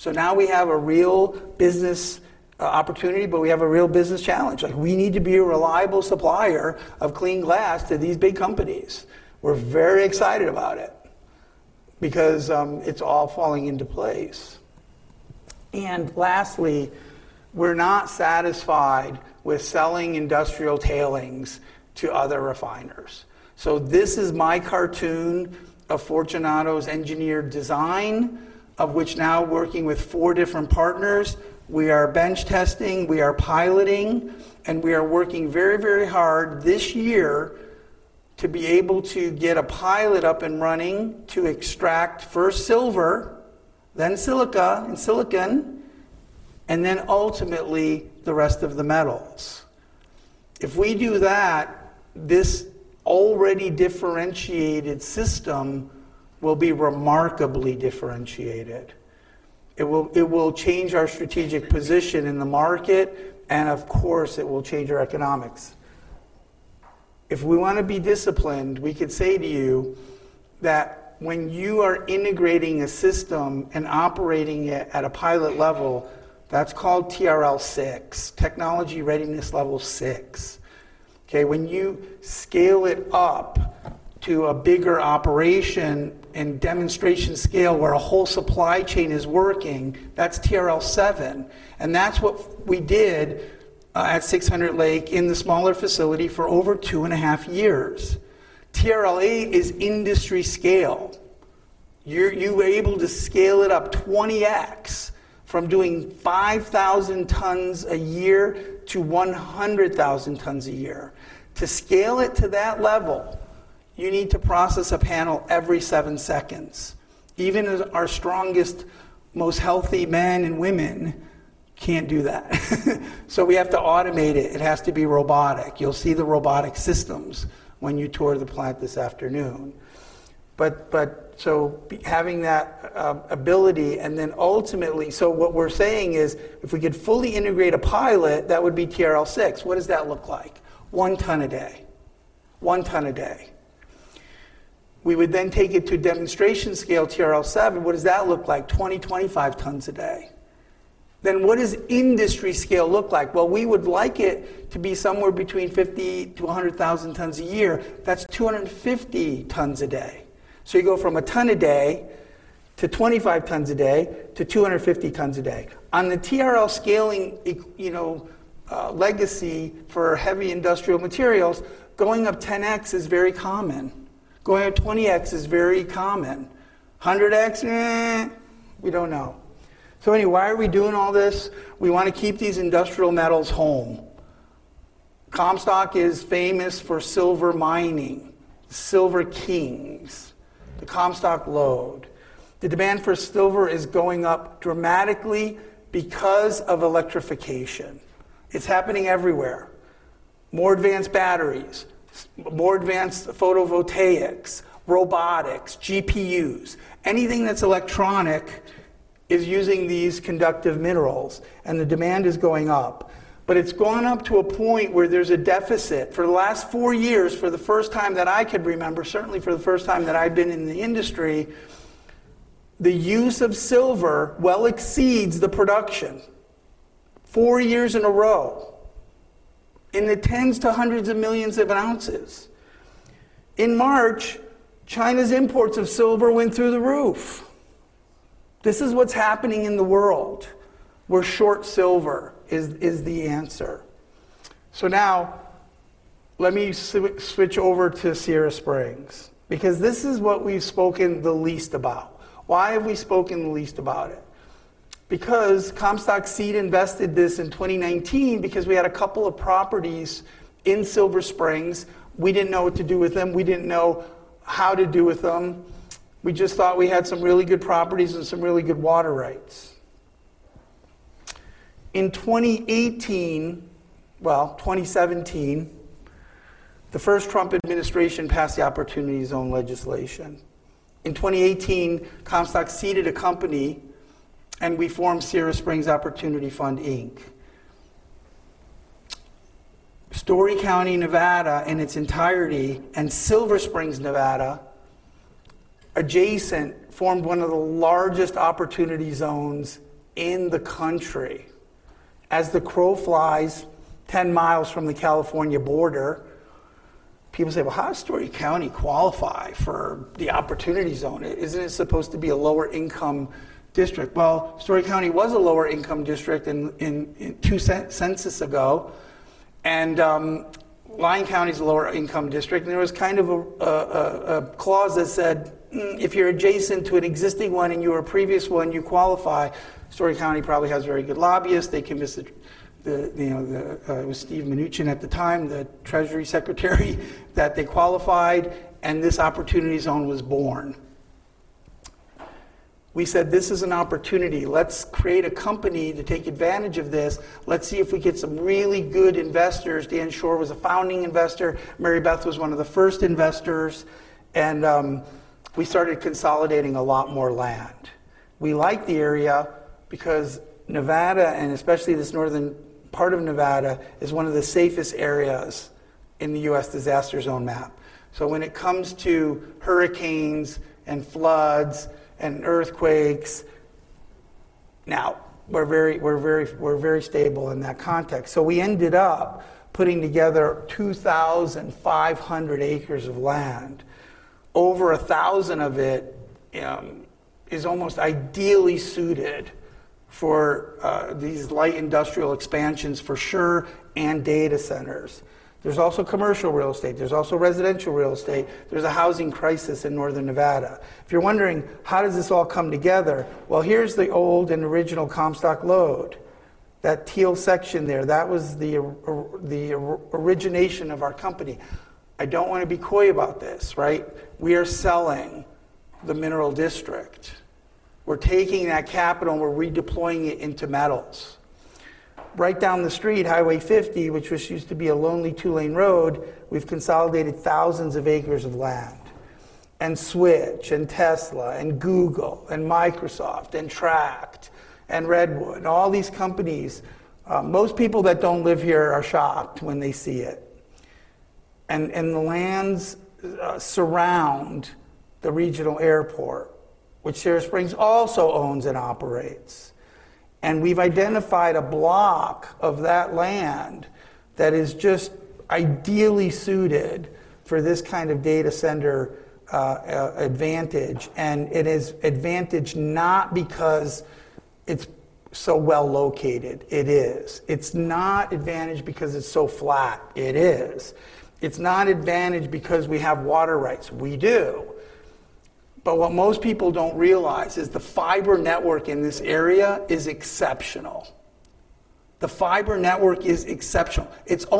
Now we have a real business opportunity, but we have a real business challenge. We need to be a reliable supplier of clean glass to these big companies. We're very excited about it because it's all falling into place. Lastly, we're not satisfied with selling industrial tailings to other refiners. This is my cartoon of Fortunato's engineered design, of which now working with four different partners, we are bench testing, we are piloting, and we are working very, very hard this year to be able to get a pilot up and running to extract first silver, then silica and silicon, and then ultimately the rest of the metals. If we do that, this already differentiated system will be remarkably differentiated. It will change our strategic position in the market, and of course it will change our economics. If we want to be disciplined, we could say to you that when you are integrating a system and operating it at a pilot level, that's called TRL6, Technology Readiness Level six. Okay? When you scale it up to a bigger operation and demonstration scale where a whole supply chain is working, that's TRL7, and that's what we did at 600 Lake in the smaller facility for over two and a half years. TRL8 is industry scale. You were able to scale it up 20x from doing 5,000 tons a year to 100,000 tons a year. To scale it to that level, you need to process a panel every seven seconds. Even our strongest, most healthy men and women can't do that. We have to automate it. It has to be robotic. You'll see the robotic systems when you tour the plant this afternoon. Having that ability, and then ultimately, so what we're saying is if we could fully integrate a pilot, that would be TRL6. What does that look like? 1 ton a day. 1 ton a day. We would then take it to demonstration scale, TRL7. What does that look like? 20, 25 tons a day. What does industry scale look like? Well, we would like it to be somewhere between 50 to 100,000 tons a year. That's 250 tons a day. You go from 1 ton a day to 25 tons a day to 250 tons a day. On the TRL scaling legacy for heavy industrial materials, going up 10x is very common. Going up 20x is very common. 100X, we don't know. Anyway, why are we doing all this? We want to keep these industrial metals home. Comstock is famous for silver mining, the silver kings, the Comstock Lode. The demand for silver is going up dramatically because of electrification. It's happening everywhere. More advanced batteries, more advanced photovoltaics, robotics, GPUs. Anything that's electronic is using these conductive minerals, and the demand is going up, but it's gone up to a point where there's a deficit. For the last four years, for the first time that I could remember, certainly for the first time that I've been in the industry, the use of silver well exceeds the production four years in a row in the tens to hundreds of millions of ounces. In March, China's imports of silver went through the roof. This is what's happening in the world, where short silver is the answer. Now, let me switch over to Sierra Springs, because this is what we've spoken the least about. Why have we spoken the least about it? Because Comstock Seed invested this in 2019 because we had a couple of properties in Silver Springs. We didn't know what to do with them. We didn't know how to do with them. We just thought we had some really good properties and some really good water rights. In 2018, well, 2017, the first Trump administration passed the Opportunity Zone legislation. In 2018, Comstock seeded a company, and we formed Sierra Springs Opportunity Fund, Inc. Storey County, Nevada, in its entirety, and Silver Springs, Nevada, adjacent, formed one of the largest Opportunity Zones in the country. As the crow flies 10 miles from the California border, people say, "Well, how does Storey County qualify for the Opportunity Zone? Isn't it supposed to be a lower income district? Well, Storey County was a lower income district in two census ago, and Lyon County's a lower income district, and there was kind of a clause that said, if you're adjacent to an existing one and you're a previous one, you qualify. Storey County probably has very good lobbyists. They convinced, it was Steven Mnuchin at the time, the Treasury Secretary, that they qualified, and this Opportunity Zone was born. We said, "This is an opportunity. Let's create a company to take advantage of this. Let's see if we get some really good investors." Dan Schor was a founding investor. Mary Beth was one of the first investors. We started consolidating a lot more land. We like the area because Nevada, and especially this northern part of Nevada, is one of the safest areas in the U.S. disaster zone map. When it comes to hurricanes and floods and earthquakes, now, we're very stable in that context. We ended up putting together 2,500 acres of land. Over 1,000 of it is almost ideally suited for these light industrial expansions, for sure, and data centers. There's also commercial real estate. There's also residential real estate. There's a housing crisis in northern Nevada. If you're wondering, how does this all come together? Well, here's the old and original Comstock Lode. That teal section there, that was the origination of our company. I don't want to be coy about this. We are selling the mineral district. We're taking that capital, and we're redeploying it into metals. Right down the street, Highway 50, which used to be a lonely two-lane road, we've consolidated thousands of acres of land. Switch and Tesla and Google and Microsoft and Tract and Redwood, all these companies. Most people that don't live here are shocked when they see it. The lands surround the regional airport, which Sierra Springs also owns and operates. We've identified a block of that land that is just ideally suited for this kind of Data Centers. It is advantage not because it's so well-located. It is. It's not advantage because it's so flat. It is. It's not advantage because we have water rights. We do. What most people don't realize is the fiber network in this area is exceptional. The fiber network is exceptional. It's 2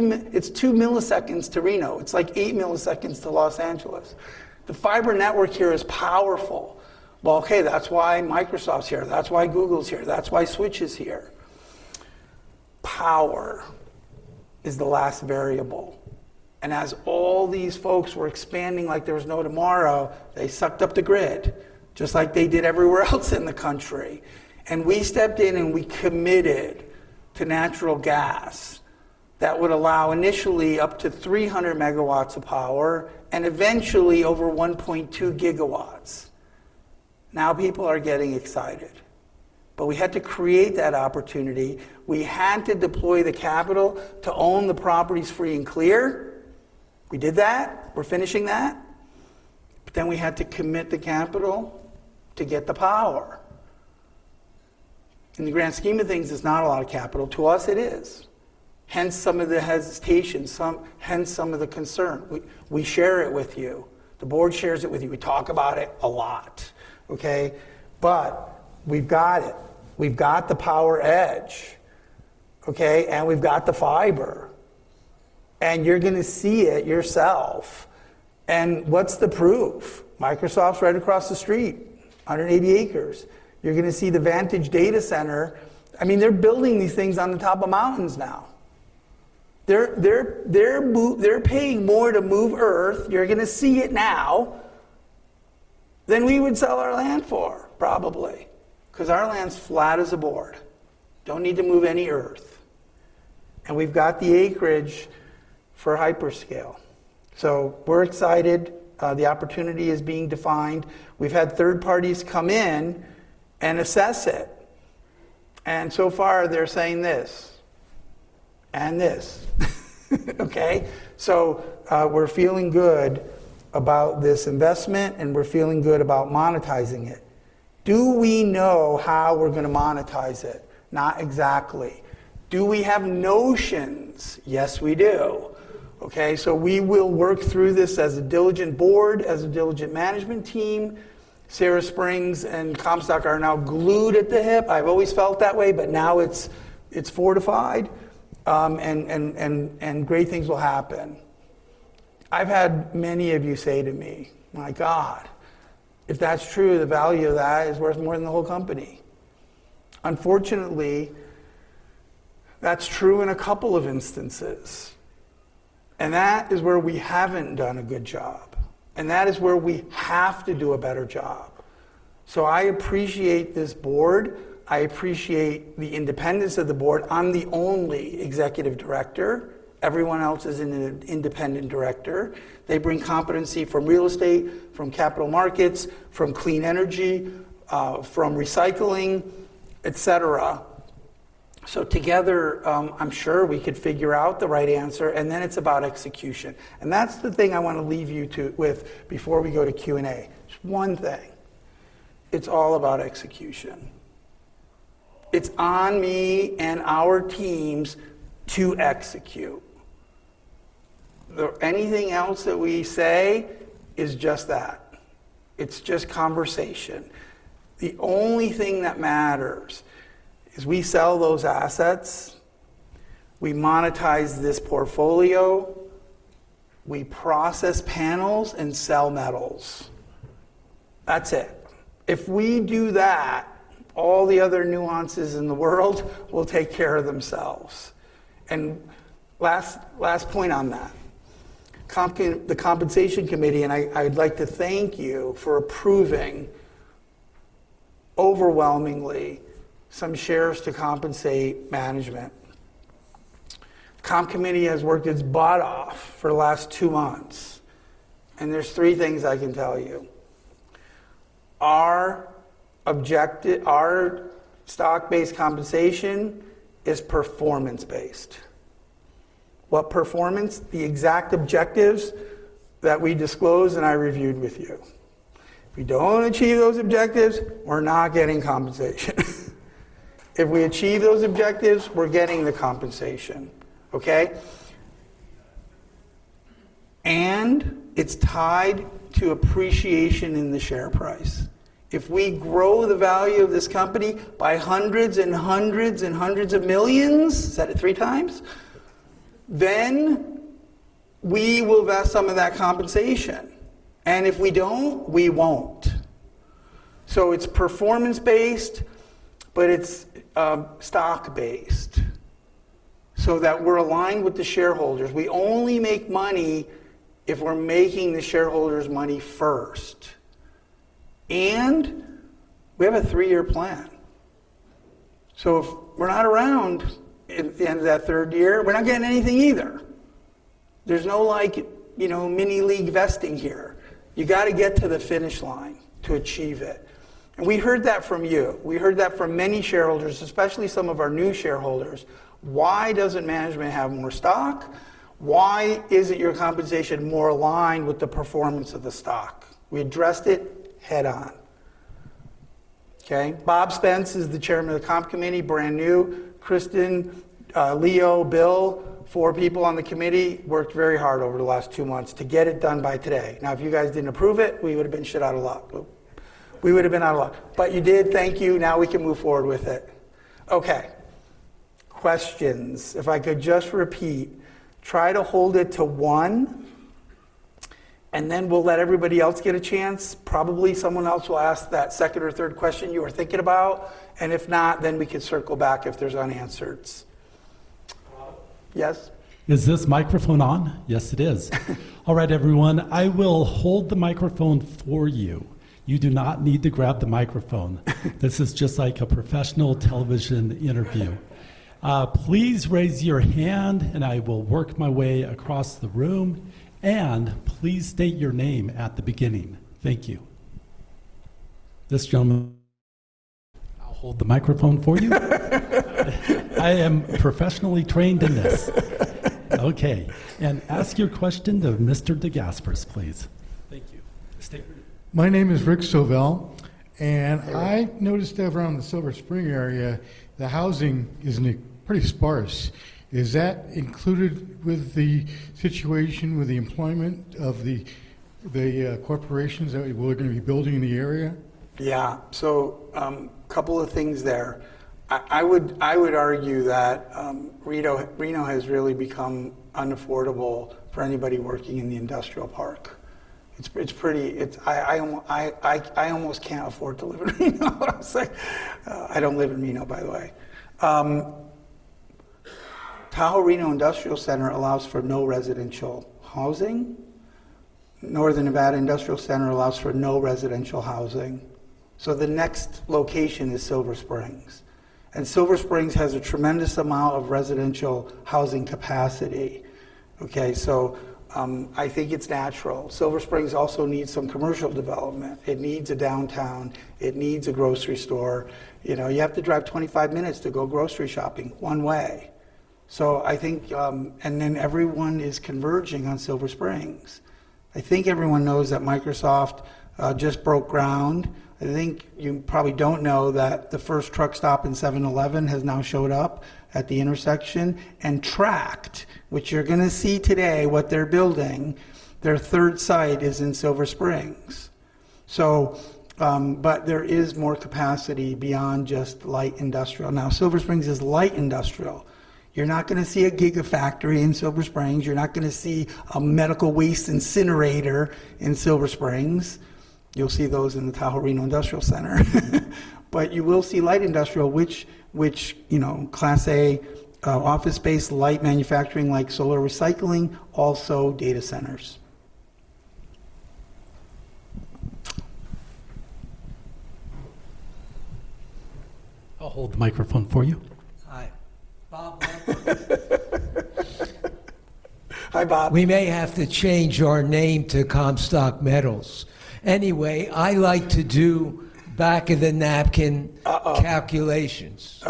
milliseconds to Reno. It's like 8 milliseconds to L.A. The fiber network here is powerful. Well, that's why Microsoft's here. That's why Google's here. That's why Switch is here. Power is the last variable. As all these folks were expanding like there was no tomorrow, they sucked up the grid, just like they did everywhere else in the country. We stepped in, and we committed to natural gas that would allow initially up to 300 MW of power and eventually over 1.2 GW. Now people are getting excited. We had to create that opportunity. We had to deploy the capital to own the properties free and clear. We did that. We're finishing that. We had to commit the capital to get the power. In the grand scheme of things, it's not a lot of capital. To us, it is. Hence some of the hesitation, hence some of the concern. We share it with you. The board shares it with you. We talk about it a lot. Okay. We've got it. We've got the power edge, okay. We've got the fiber, and you're going to see it yourself. What's the proof? Microsoft's right across the street, 180 acres. You're going to see the Vantage Data Center. They're building these things on the top of mountains now. They're paying more to move earth, you're going to see it now, than we would sell our land for probably, because our land's flat as a board. Don't need to move any earth. We've got the acreage for hyperscale. We're excited. The opportunity is being defined. We've had third parties come in and assess it, and so far they're saying this and this. Okay? We're feeling good about this investment, and we're feeling good about monetizing it. Do we know how we're going to monetize it? Not exactly. Do we have notions? Yes, we do. Okay? We will work through this as a diligent board, as a diligent management team. Sierra Springs and Comstock are now glued at the hip. I've always felt that way, but now it's fortified. Great things will happen. I've had many of you say to me, "My God, if that's true, the value of that is worth more than the whole company." Unfortunately, that's true in a couple of instances, and that is where we haven't done a good job, and that is where we have to do a better job. I appreciate this board. I appreciate the independence of the board. I'm the only executive director. Everyone else is an independent director. They bring competency from real estate, from capital markets, from clean energy, from recycling, et cetera. Together, I'm sure we could figure out the right answer, and then it's about execution. That's the thing I want to leave you with before we go to Q&A. Just one thing. It's all about execution. It's on me and our teams to execute. Anything else that we say is just that. It's just conversation. The only thing that matters is we sell those assets, we monetize this portfolio, we process panels, and sell metals. That's it. If we do that, all the other nuances in the world will take care of themselves. Last point on that. The compensation committee, I'd like to thank you for approving overwhelmingly some shares to compensate management. The comp committee has worked its butt off for the last two months, there's three things I can tell you. Our stock-based compensation is performance-based. What performance? The exact objectives that we disclosed, I reviewed with you. If we don't achieve those objectives, we're not getting compensation. If we achieve those objectives, we're getting the compensation. Okay? It's tied to appreciation in the share price. If we grow the value of this company by hundreds and hundreds and hundreds of millions, said it three times, then we will vest some of that compensation, and if we don't, we won't. It's performance-based, but it's stock-based so that we're aligned with the shareholders. We only make money if we're making the shareholders money first. We have a three-year plan. If we're not around at the end of that third year, we're not getting anything either. There's no mini league vesting here. You got to get to the finish line to achieve it. We heard that from you. We heard that from many shareholders, especially some of our new shareholders. Why doesn't management have more stock? Why isn't your compensation more aligned with the performance of the stock? We addressed it head on. Okay? Bob Spence is the chairman of the comp committee, brand new. Kristin, Leo, Bill, four people on the committee, worked very hard over the last two months to get it done by today. If you guys didn't approve it, we would've been shit out of luck. We would've been out of luck. You did. Thank you. We can move forward with it. Okay. Questions. If I could just repeat, try to hold it to one, and then we'll let everybody else get a chance. Probably someone else will ask that second or third question you are thinking about, and if not, then we can circle back if there's unanswereds. Rob? Yes. Is this microphone on? Yes, it is. All right, everyone. I will hold the microphone for you. You do not need to grab the microphone. This is just like a professional television interview. Please raise your hand, I will work my way across the room, and please state your name at the beginning. Thank you. This gentleman. I'll hold the microphone for you. I am professionally trained in this. Okay. Ask your question to Mr. De Gasperis, please. Thank you. State name. My name is Rick Sovell. Hey I noticed that around the Silver Springs area, the housing is pretty sparse. Is that included with the situation with the employment of the corporations that we're going to be building in the area? Yeah. Couple of things there. I would argue that Reno has really become unaffordable for anybody working in the industrial park. I almost can't afford to live in Reno what I'm saying. I don't live in Reno, by the way. Tahoe-Reno Industrial Center allows for no residential housing. Northern Nevada Industrial Center allows for no residential housing. The next location is Silver Springs. Silver Springs has a tremendous amount of residential housing capacity. Okay. I think it's natural. Silver Springs also needs some commercial development. It needs a downtown. It needs a grocery store. You have to drive 25 minutes to go grocery shopping one way. Everyone is converging on Silver Springs. I think everyone knows that Microsoft just broke ground. I think you probably don't know that the first truck stop in 7-Eleven has now showed up at the intersection. Tract, which you're going to see today what they're building, their third site is in Silver Springs. There is more capacity beyond just light industrial. Silver Springs is light industrial. You're not going to see a Gigafactory in Silver Springs. You're not going to see a medical waste incinerator in Silver Springs. You'll see those in the Tahoe-Reno Industrial Center. You will see light industrial, which Class A office space, light manufacturing like solar recycling, also data centers. I'll hold the microphone for you. Hi. Hi, Bob. We may have to change our name to Comstock Metals. Anyway, I like to do back of the napkin calculations.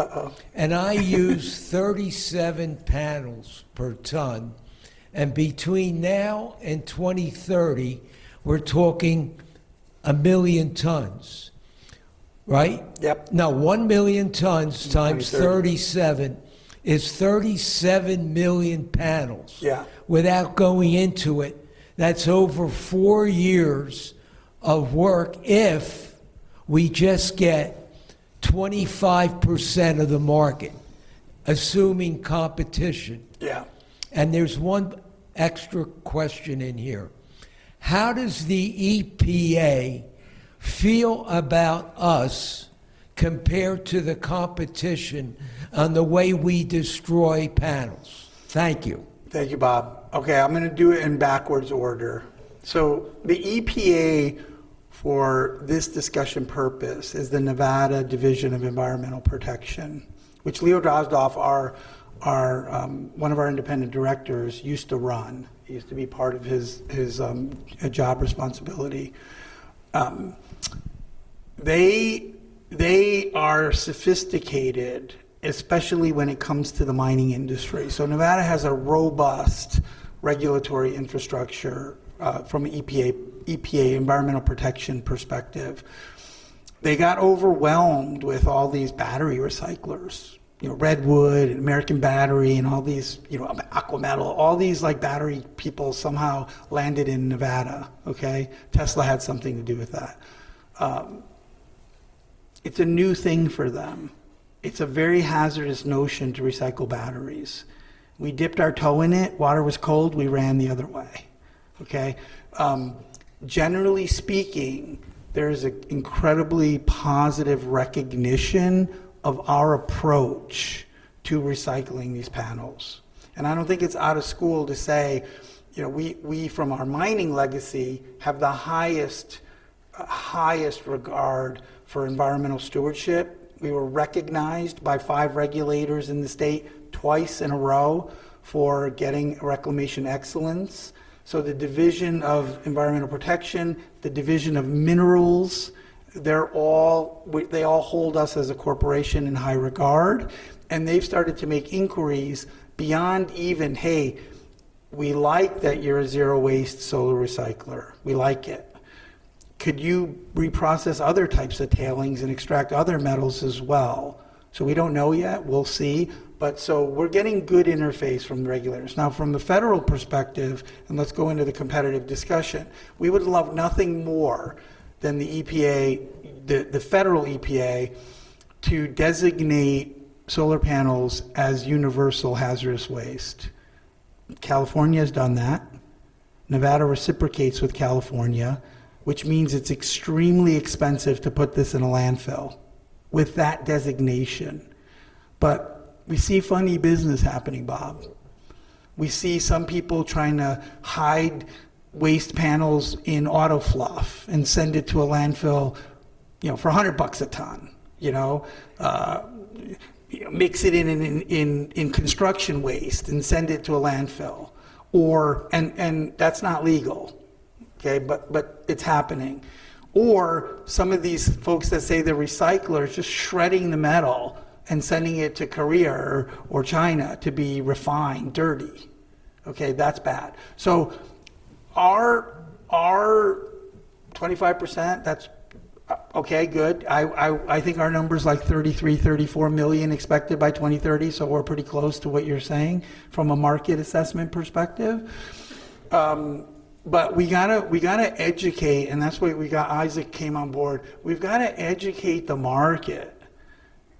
I use 37 panels per ton, and between now and 2030, we're talking 1 million tons, right? Yep. Now, 1 million tons times- 2030 37 is 37 million panels. Yeah. Without going into it, that's over four years of work if we just get 25% of the market, assuming competition. Yeah. There's one extra question in here. How does the EPA feel about us compared to the competition on the way we destroy panels? Thank you. Thank you, Bob. Okay, I'm going to do it in backwards order. The EPA for this discussion purpose is the Nevada Division of Environmental Protection, which Leo Drozdoff, one of our independent directors, used to run. It used to be part of his job responsibility. They are sophisticated, especially when it comes to the mining industry. Nevada has a robust regulatory infrastructure from EPA, environmental protection perspective. They got overwhelmed with all these battery recyclers. Redwood and American Battery and all these Aqua Metals. All these battery people somehow landed in Nevada, okay? Tesla had something to do with that. It's a new thing for them. It's a very hazardous notion to recycle batteries. We dipped our toe in it, water was cold, we ran the other way. Okay? Generally speaking, there is an incredibly positive recognition of our approach to recycling these panels, and I don't think it's out of school to say, we from our mining legacy have the highest regard for environmental stewardship. We were recognized by five regulators in the state twice in a row for getting reclamation excellence. The Nevada Division of Environmental Protection, the Nevada Division of Minerals, they all hold us as a corporation in high regard, and they've started to make inquiries beyond even, "Hey, we like that you're a zero waste solar recycler. We like it. Could you reprocess other types of tailings and extract other metals as well?" We don't know yet. We'll see. We're getting good interface from the regulators. From the federal perspective, let's go into the competitive discussion, we would love nothing more than the federal EPA to designate solar panels as universal hazardous waste. California's done that. Nevada reciprocates with California, which means it's extremely expensive to put this in a landfill with that designation. We see funny business happening, Bob. We see some people trying to hide waste panels in auto fluff and send it to a landfill for $100 a ton. Mix it in construction waste and send it to a landfill. That's not legal. It's happening. Some of these folks that say the recycler is just shredding the metal and sending it to Korea or China to be refined. Dirty. Okay, that's bad. Our 25%, that's okay, good. I think our number's like 33 million-34 million expected by 2030. We're pretty close to what you're saying from a market assessment perspective. We got to educate, and that's why we got Isaac came on board. We've got to educate the market.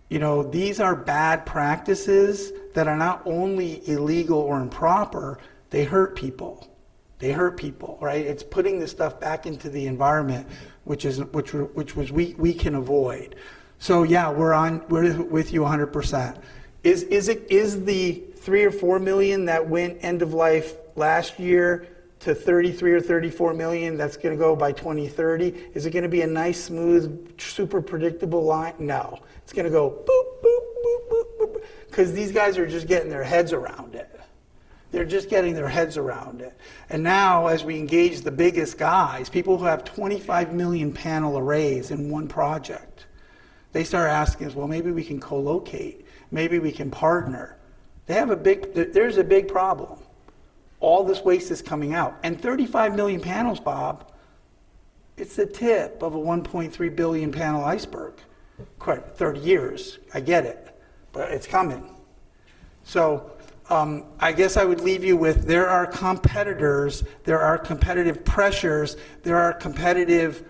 These are bad practices that are not only illegal or improper, they hurt people. They hurt people. It's putting this stuff back into the environment, which we can avoid. Yeah, we're with you 100%. Is the three or four million that went end of life last year to 33 million or 34 million that's going to go by 2030, is it going to be a nice, smooth, super predictable line? No. It's going to go boop because these guys are just getting their heads around it. They're just getting their heads around it. Now, as we engage the biggest guys, people who have 25 million panel arrays in one project, they start asking us, "Well, maybe we can co-locate. Maybe we can partner." There's a big problem. All this waste is coming out. 35 million panels, Robert, it's the tip of a 1.3 billion panel iceberg. Correct, 30 years, I get it, but it's coming. I guess I would leave you with there are competitors, there are competitive pressures, there are competitive,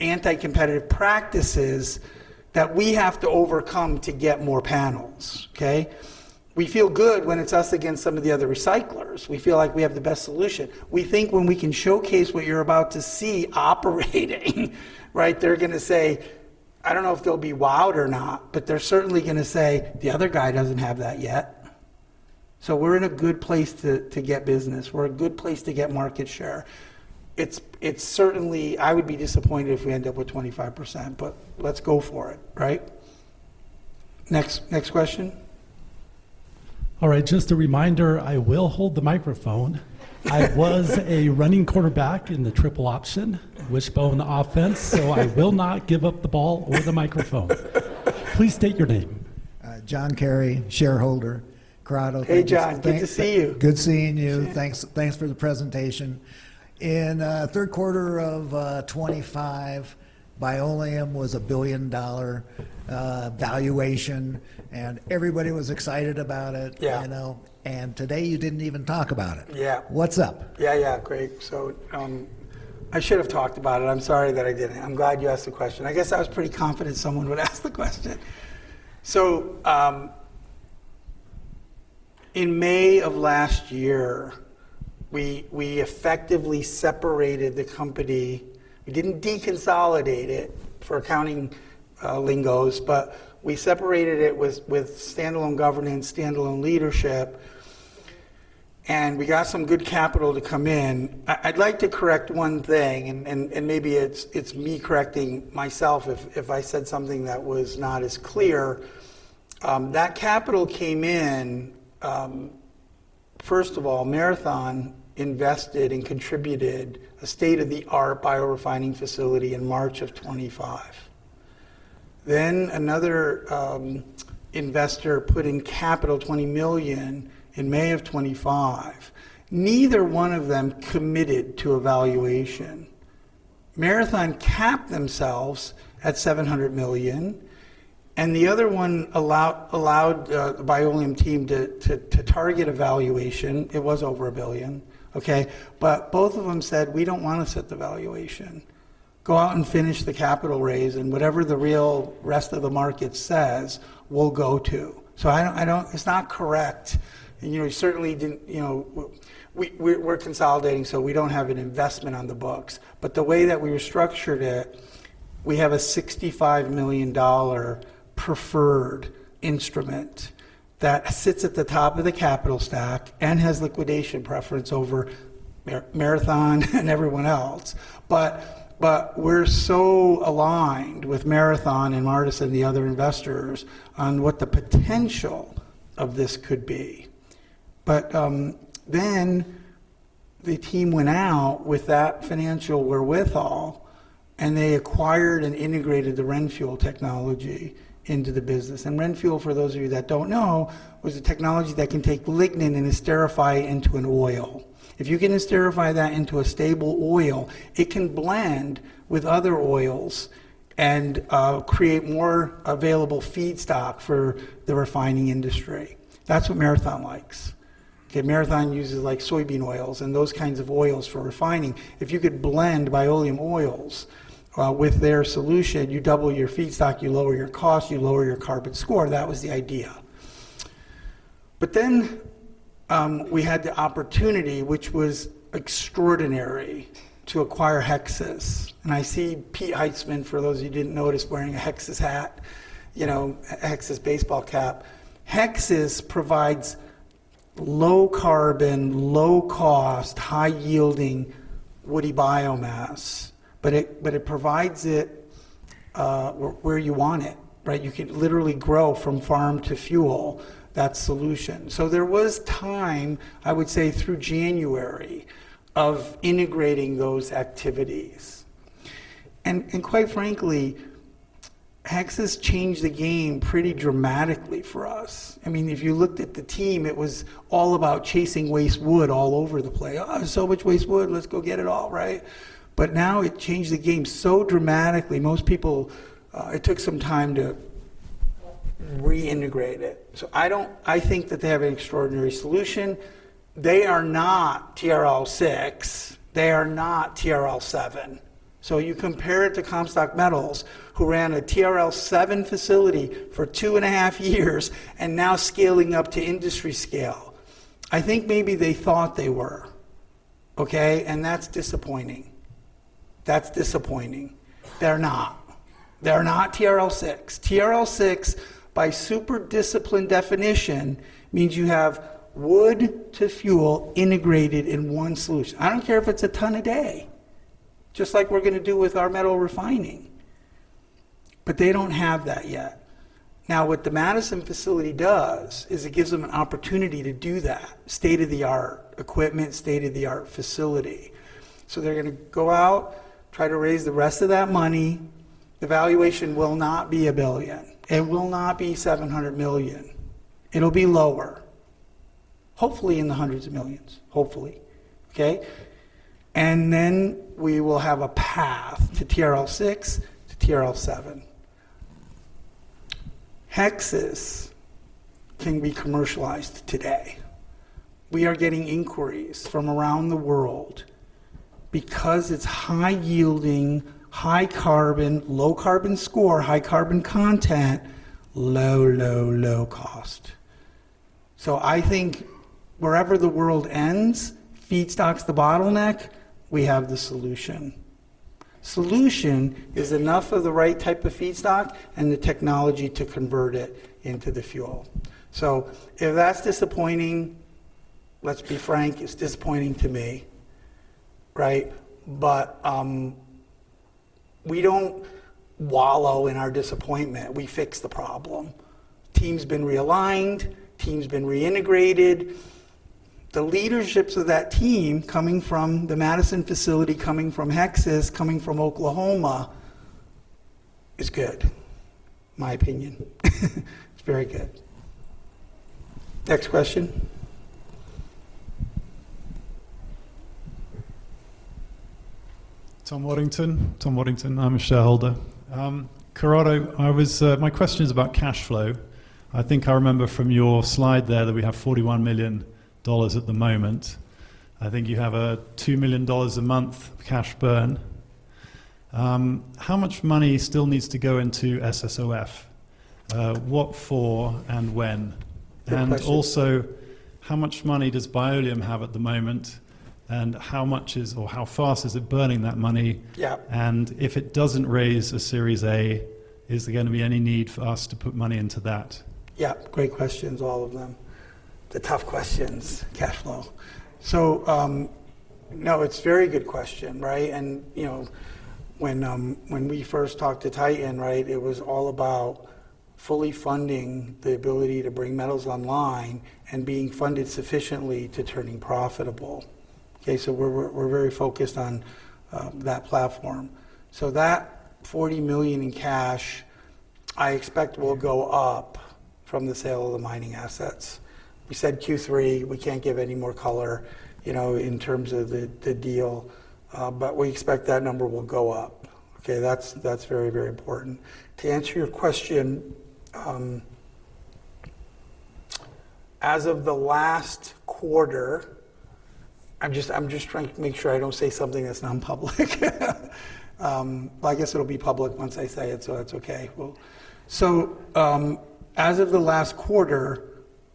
anti-competitive practices that we have to overcome to get more panels. Okay. We feel good when it's us against some of the other recyclers. We feel like we have the best solution. We think when we can showcase what you're about to see operating they're going to say, I don't know if they'll be wowed or not, but they're certainly going to say, "The other guy doesn't have that yet." We're in a good place to get business. We're in a good place to get market share. It's certainly, I would be disappointed if we end up with 25%, but let's go for it. Right? Next question. All right. Just a reminder, I will hold the microphone. I was a running quarterback in the triple option, wishbone offense. I will not give up the ball or the microphone. Please state your name. John Kerry, shareholder, Corrado. Hey, John. Good to see you. Good seeing you. Thanks for the presentation. In third quarter of 2025, Bioleum was a billion-dollar valuation, and everybody was excited about it. Yeah. Today you didn't even talk about it. Yeah. What's up? Yeah. Great. I should've talked about it. I'm sorry that I didn't. I'm glad you asked the question. I guess I was pretty confident someone would ask the question. In May of last year, we effectively separated the company. We didn't deconsolidate it for accounting lingos, but we separated it with standalone governance, standalone leadership, and we got some good capital to come in. I'd like to correct one thing, and maybe it's me correcting myself if I said something that was not as clear. That capital came in, first of all, Marathon invested and contributed a state-of-the-art biorefining facility in March of 2025. Another investor put in capital, $20 million, in May of 2025. Neither one of them committed to a valuation. Marathon capped themselves at $700 million, and the other one allowed the Bioleum team to target a valuation. It was over $1 billion. Okay? Both of them said, "We don't want to set the valuation. Go out and finish the capital raise, and whatever the real rest of the market says, we'll go to." It's not correct, and we're consolidating, so we don't have an investment on the books. The way that we structured it, we have a $65 million preferred instrument that sits at the top of the capital stack and has liquidation preference over Marathon and everyone else. We're so aligned with Marathon and Mardis, and the other investors on what the potential of this could be. The team went out with that financial wherewithal, and they acquired and integrated the RenFuel technology into the business. RenFuel, for those of you that don't know, was a technology that can take lignin and esterify into an oil. If you can esterify that into a stable oil, it can blend with other oils and create more available feedstock for the refining industry. That's what Marathon likes. Okay? Marathon uses soybean oils and those kinds of oils for refining. If you could blend Bioleum oils with their solution, you double your feedstock, you lower your cost, you lower your carbon score. That was the idea. We had the opportunity, which was extraordinary, to acquire Hexas. I see Pete Heitzman, for those of you who didn't notice, wearing a Hexas hat, Hexas baseball cap. Hexas provides low carbon, low cost, high yielding woody biomass. It provides it where you want it. You could literally grow from farm to fuel that solution. There was time, I would say through January, of integrating those activities. Quite frankly, Hexas changed the game pretty dramatically for us. If you looked at the team, it was all about chasing waste wood all over the place. "Oh, I saw a bunch of waste wood, let's go get it all." Now it changed the game so dramatically. Most people, it took some time to reintegrate it. I think that they have an extraordinary solution. They are not TRL6. They are not TRL7. You compare it to Comstock Metals, who ran a TRL7 facility for two and a half years, and now scaling up to industry scale. I think maybe they thought they were. Okay? That's disappointing. That's disappointing. They're not. They're not TRL6. TRL6, by super disciplined definition, means you have wood to fuel integrated in one solution. I don't care if it's a ton a day, just like we're going to do with our metal refining. They don't have that yet. What the Madison facility does is it gives them an opportunity to do that. State-of-the-art equipment, state-of-the-art facility. They're going to go out, try to raise the rest of that money. The valuation will not be $1 billion. It will not be $700 million. It'll be lower. Hopefully in the $hundreds of millions. Hopefully. Okay. We will have a path to TRL6, to TRL7. Hexas can be commercialized today. We are getting inquiries from around the world because it's high yielding, high carbon, low carbon score, high carbon content, low cost. I think wherever the world ends, feedstock's the bottleneck, we have the solution. Solution is enough of the right type of feedstock and the technology to convert it into the fuel. If that's disappointing, let's be frank, it's disappointing to me. We don't wallow in our disappointment. We fix the problem. Team's been realigned. Team's been reintegrated. The leaderships of that team coming from the Madison facility, coming from Hexas, coming from Oklahoma is good, my opinion. It's very good. Next question. Tom Waddington. I'm a shareholder. Corrado, my question is about cash flow. I think I remember from your slide there that we have $41 million at the moment. I think you have a $2 million a month cash burn. How much money still needs to go into SSOF? What for and when? Good question. Also, how much money does Bioleum have at the moment? How much is, or how fast is it burning that money? Yeah. If it doesn't raise a Series A, is there going to be any need for us to put money into that? Yeah. Great questions, all of them. The tough questions. Cash flow. No, it's a very good question. When we first talked to Titan, it was all about fully funding the ability to bring metals online and being funded sufficiently to turning profitable. Okay, we're very focused on that platform. That $40 million in cash I expect will go up from the sale of the mining assets. We said Q3. We can't give any more color in terms of the deal. We expect that number will go up. Okay? That's very important. To answer your question, as of the last quarter I'm just trying to make sure I don't say something that's not public. I guess it'll be public once I say it, that's okay. As of the last quarter,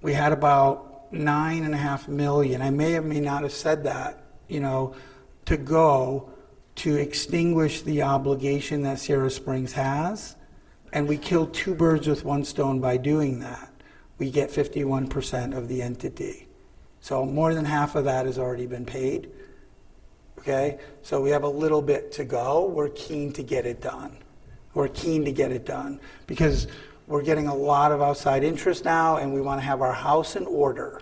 we had about 9.5 million, I may or may not have said that, to go to extinguish the obligation that Sierra Springs has, and we kill two birds with one stone by doing that. We get 51% of the entity. More than half of that has already been paid. Okay? We have a little bit to go. We're keen to get it done. We're keen to get it done because we're getting a lot of outside interest now, and we want to have our house in order,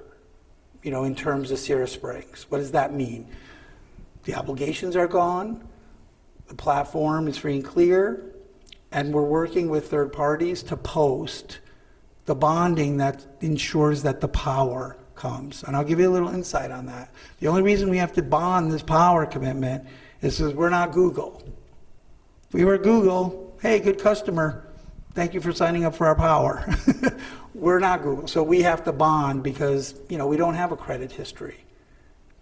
in terms of Sierra Springs. What does that mean? The obligations are gone. The platform is free and clear. We're working with third parties to post the bonding that ensures that the power comes. I'll give you a little insight on that. The only reason we have to bond this power commitment is because we're not Google. If we were Google, "Hey, good customer. Thank you for signing up for our power." We're not Google, we have to bond because we don't have a credit history.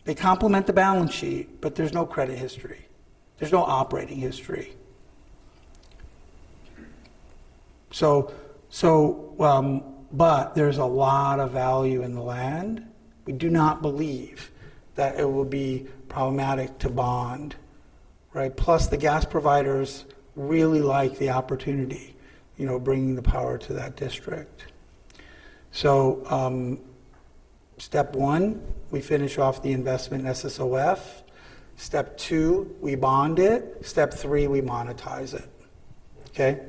They complement the balance sheet, there's no credit history. There's no operating history. There's a lot of value in the land. We do not believe that it will be problematic to bond. Plus, the gas providers really like the opportunity bringing the power to that district. Step one, we finish off the investment in SSOF. Step two, we bond it. Step three, we monetize it. Okay?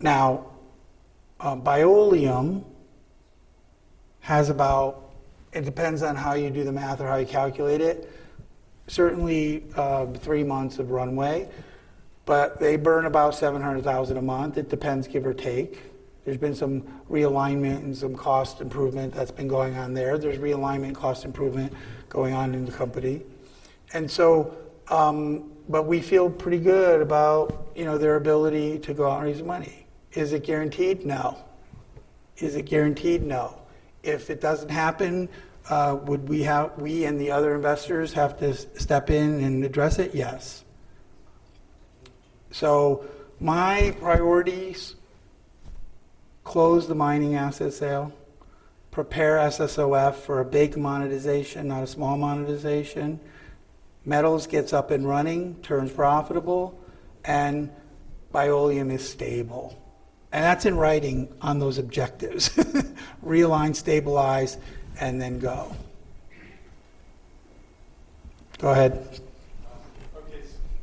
Now, Bioleum has about, it depends on how you do the math or how you calculate it, certainly, three months of runway. They burn about $700,000 a month. It depends, give or take. There's been some realignment and some cost improvement that's been going on there. There's realignment cost improvement going on in the company. We feel pretty good about their ability to go out and raise the money. Is it guaranteed? No. Is it guaranteed? No. If it doesn't happen, would we and the other investors have to step in and address it? Yes. My priorities, close the mining asset sale, prepare SSOF for a big monetization, not a small monetization. Metals gets up and running, turns profitable, and Bioleum is stable. That's in writing on those objectives. Realign, stabilize, and then go. Go ahead.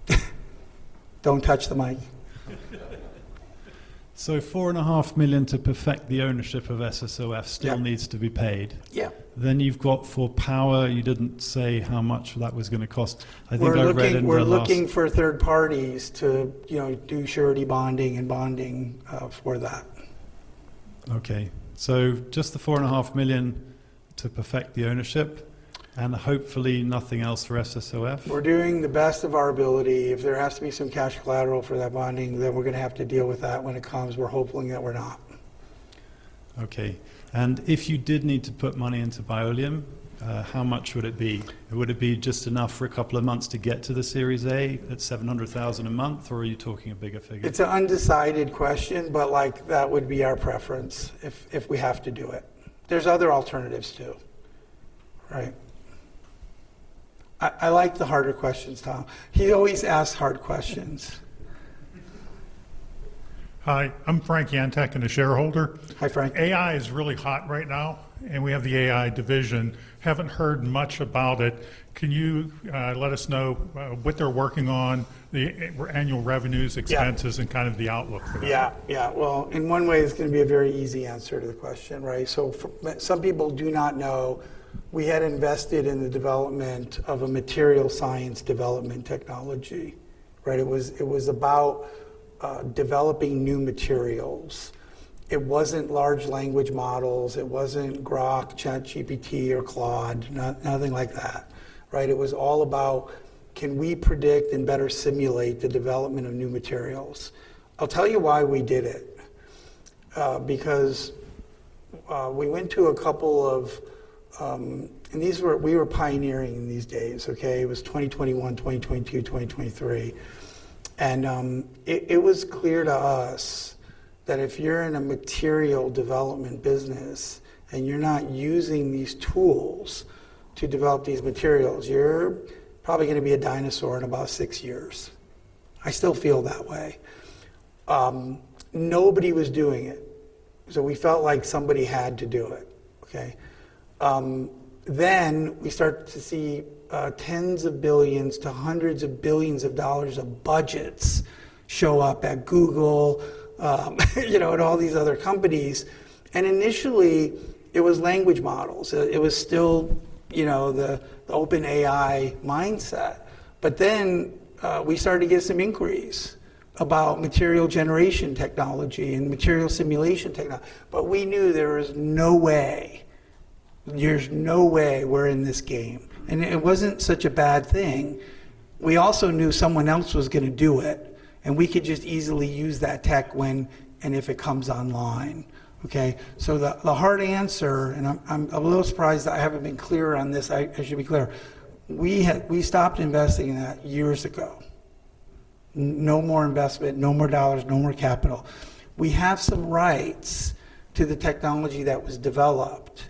Okay. Don't touch the mic. $4.5 million to perfect the ownership of SSOF needs to be paid. Yep. You've got for power, you didn't say how much that was going to cost. We're looking for third parties to do surety bonding and bonding for that. Okay. just the $4.5 million to perfect the ownership, and hopefully nothing else for SSOF? We're doing the best of our ability. If there has to be some cash collateral for that bonding, then we're going to have to deal with that when it comes. We're hoping that we're not. Okay. If you did need to put money into Bioleum, how much would it be? Would it be just enough for a couple of months to get to the Series A at $700,000 a month, or are you talking a bigger figure? It's an undecided question, but that would be our preference if we have to do it. There's other alternatives, too. Right. I like the harder questions, Tom. He always asks hard questions. Hi, I'm Frank Yantek. I'm a shareholder. Hi, Frank. AI is really hot right now, and we have the AI division. Haven't heard much about it. Can you let us know what they're working on, the annual revenues expenses, and kind of the outlook for that? In one way, it's going to be a very easy answer to the question, right? Some people do not know, we had invested in the development of a material science development technology. Right? It was about developing new materials. It wasn't large language models. It wasn't Grok, ChatGPT, or Claude. Nothing like that. Right? It was all about, can we predict and better simulate the development of new materials? I'll tell you why we did it. We were pioneering in these days, okay? It was 2021, 2022, 2023. It was clear to us that if you're in a material development business and you're not using these tools to develop these materials, you're probably going to be a dinosaur in about six years. I still feel that way. Nobody was doing it. We felt like somebody had to do it. Okay. We start to see $10 billion-$100 billion of budgets show up at Google and all these other companies. Initially it was language models. It was still the OpenAI mindset. We started to get some inquiries about material generation technology and material simulation. We knew there was no way we're in this game. It wasn't such a bad thing. We also knew someone else was going to do it, and we could just easily use that tech when and if it comes online. Okay. The hard answer, and I'm a little surprised that I haven't been clearer on this, I should be clear. We stopped investing in that years ago. No more investment, no more dollars, no more capital. We have some rights to the technology that was developed.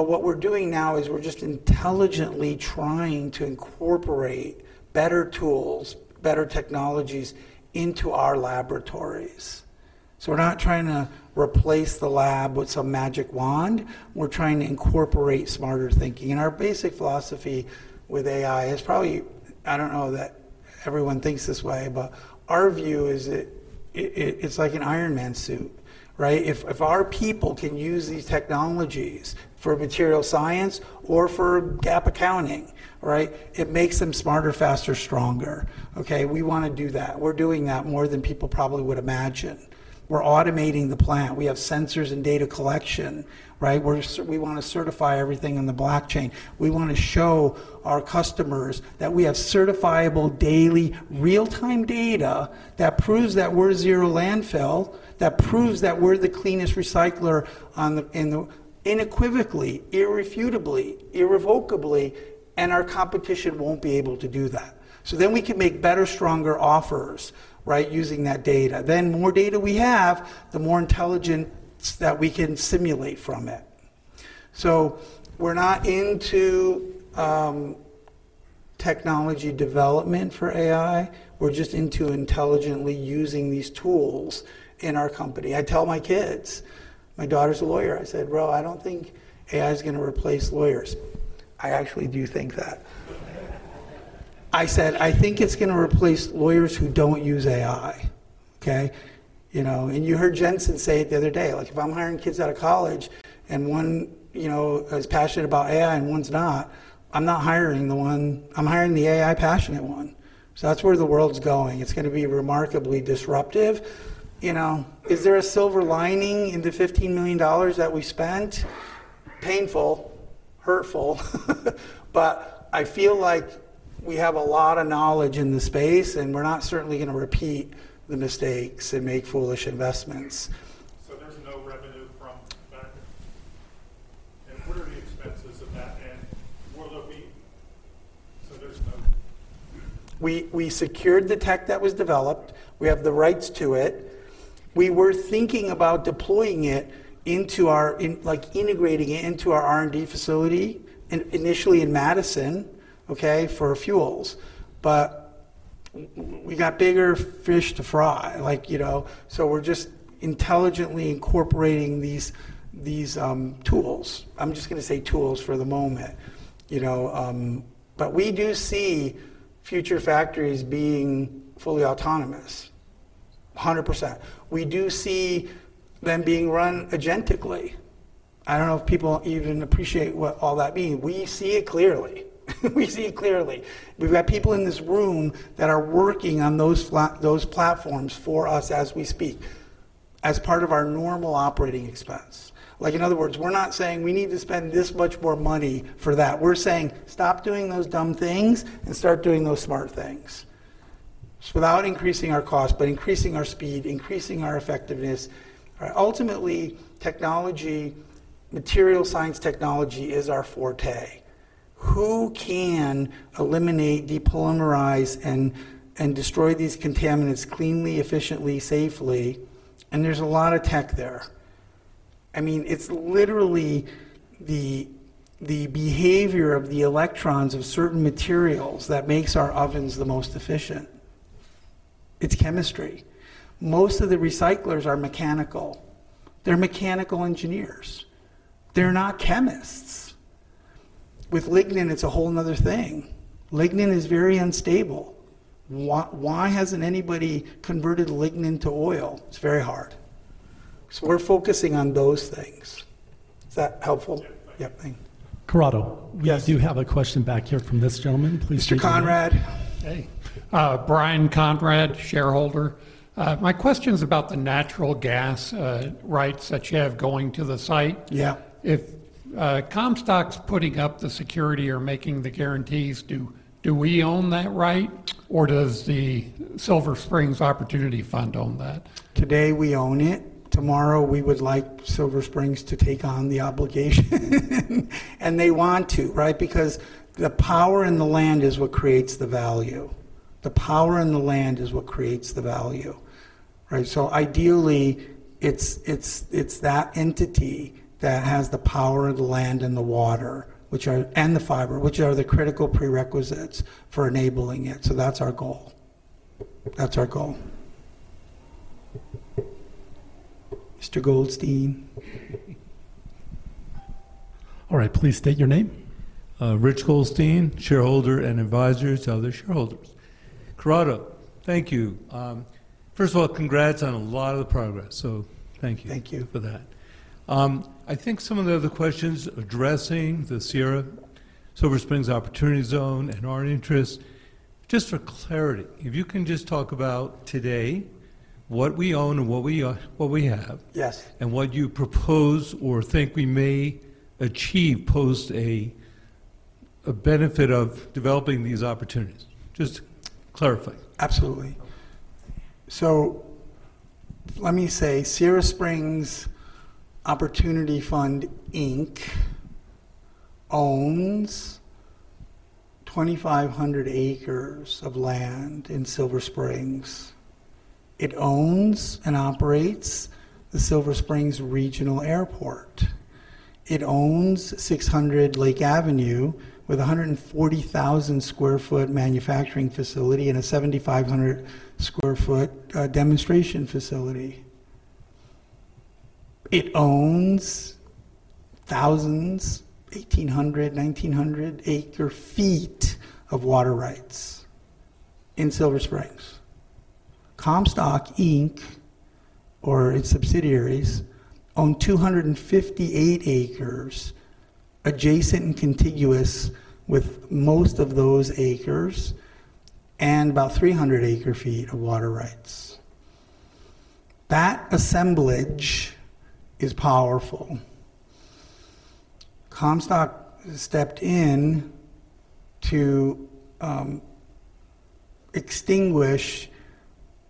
What we're doing now is we're just intelligently trying to incorporate better tools, better technologies into our laboratories. We're not trying to replace the lab with some magic wand. We're trying to incorporate smarter thinking. Our basic philosophy with AI is probably, I don't know that everyone thinks this way, but our view is it's like an Iron Man suit. Right? If our people can use these technologies for material science or for GAAP accounting, right, it makes them smarter, faster, stronger. Okay? We want to do that. We're doing that more than people probably would imagine. We're automating the plant. We have sensors and data collection, right? We want to certify everything in the blockchain. We want to show our customers that we have certifiable daily real-time data that proves that we're zero landfill, that proves that we're the cleanest recycler unequivocally, irrefutably, irrevocably, and our competition won't be able to do that. We can make better, stronger offers, right, using that data. More data we have, the more intelligence that we can simulate from it. We're not into Technology development for AI. We're just into intelligently using these tools in our company. I tell my kids, my daughter's a lawyer, I said, "Ro, I don't think AI's going to replace lawyers." I actually do think that. I said, "I think it's going to replace lawyers who don't use AI." Okay? You heard Jensen say it the other day, if I'm hiring kids out of college and one is passionate about AI and one's not, I'm not hiring the one I'm hiring the AI passionate one. That's where the world's going. It's going to be remarkably disruptive. Is there a silver lining in the $15 million that we spent? Painful, hurtful, but I feel like we have a lot of knowledge in the space, and we're not certainly going to repeat the mistakes and make foolish investments. There's no revenue from that? What are the expenses of that? We secured the tech that was developed. We have the rights to it. We were thinking about deploying it, integrating it into our R&D facility initially in Madison for fuels. We got bigger fish to fry. We're just intelligently incorporating these tools. I'm just going to say tools for the moment. We do see future factories being fully autonomous, 100%. We do see them being run agentically. I don't know if people even appreciate what all that means. We see it clearly. We see it clearly. We've got people in this room that are working on those platforms for us as we speak, as part of our normal operating expense. In other words, we're not saying we need to spend this much more money for that. We're saying, "Stop doing those dumb things, and start doing those smart things." Without increasing our cost, but increasing our speed, increasing our effectiveness. Ultimately, technology, material science technology is our forte. Who can eliminate, depolymerize, and destroy these contaminants cleanly, efficiently, safely? There's a lot of tech there. It's literally the behavior of the electrons of certain materials that makes our ovens the most efficient. It's chemistry. Most of the recyclers are mechanical. They're mechanical engineers. They're not chemists. With lignin, it's a whole another thing. Lignin is very unstable. Why hasn't anybody converted lignin to oil? It's very hard. We're focusing on those things. Is that helpful? Yeah. Thank you. Yeah. Thank you. Corrado. Yes. We do have a question back here from this gentleman. Please state your name. Mr. Konrad. Hey. Brian Konrad, shareholder. My question's about the natural gas rights that you have going to the site. Yeah. If Comstock's putting up the security or making the guarantees, do we own that right, or does the Sierra Springs Opportunity Fund own that? Today we own it. Tomorrow we would like Sierra Springs to take on the obligation. They want to because the power in the land is what creates the value. The power in the land is what creates the value. Ideally, it's that entity that has the power of the land and the water, and the fiber, which are the critical prerequisites for enabling it. That's our goal. That's our goal. Mr. Goldstein. All right. Please state your name. Rich Goldstein, shareholder and advisor to other shareholders. Corrado, thank you. First of all, congrats on a lot of the progress. Thank you. Thank you. for that. I think some of the other questions addressing the Sierra Silver Springs Opportunity Zone and our interest, just for clarity, if you can just talk about today what we own and what we have? Yes What you propose or think we may achieve post a benefit of developing these opportunities. Just clarifying. Absolutely. Let me say, Sierra Springs Opportunity Fund Inc. owns 2,500 acres of land in Silver Springs. It owns and operates the Silver Springs Regional Airport. It owns 600 Lake Avenue with 140,000 sq ft manufacturing facility and a 7,500 sq ft demonstration facility. It owns thousands, 1,800, 1,900 acre feet of water rights in Silver Springs. Comstock Inc., or its subsidiaries, own 258 acres adjacent and contiguous with most of those acres and about 300 acre feet of water rights. That assemblage is powerful. Comstock stepped in to extinguish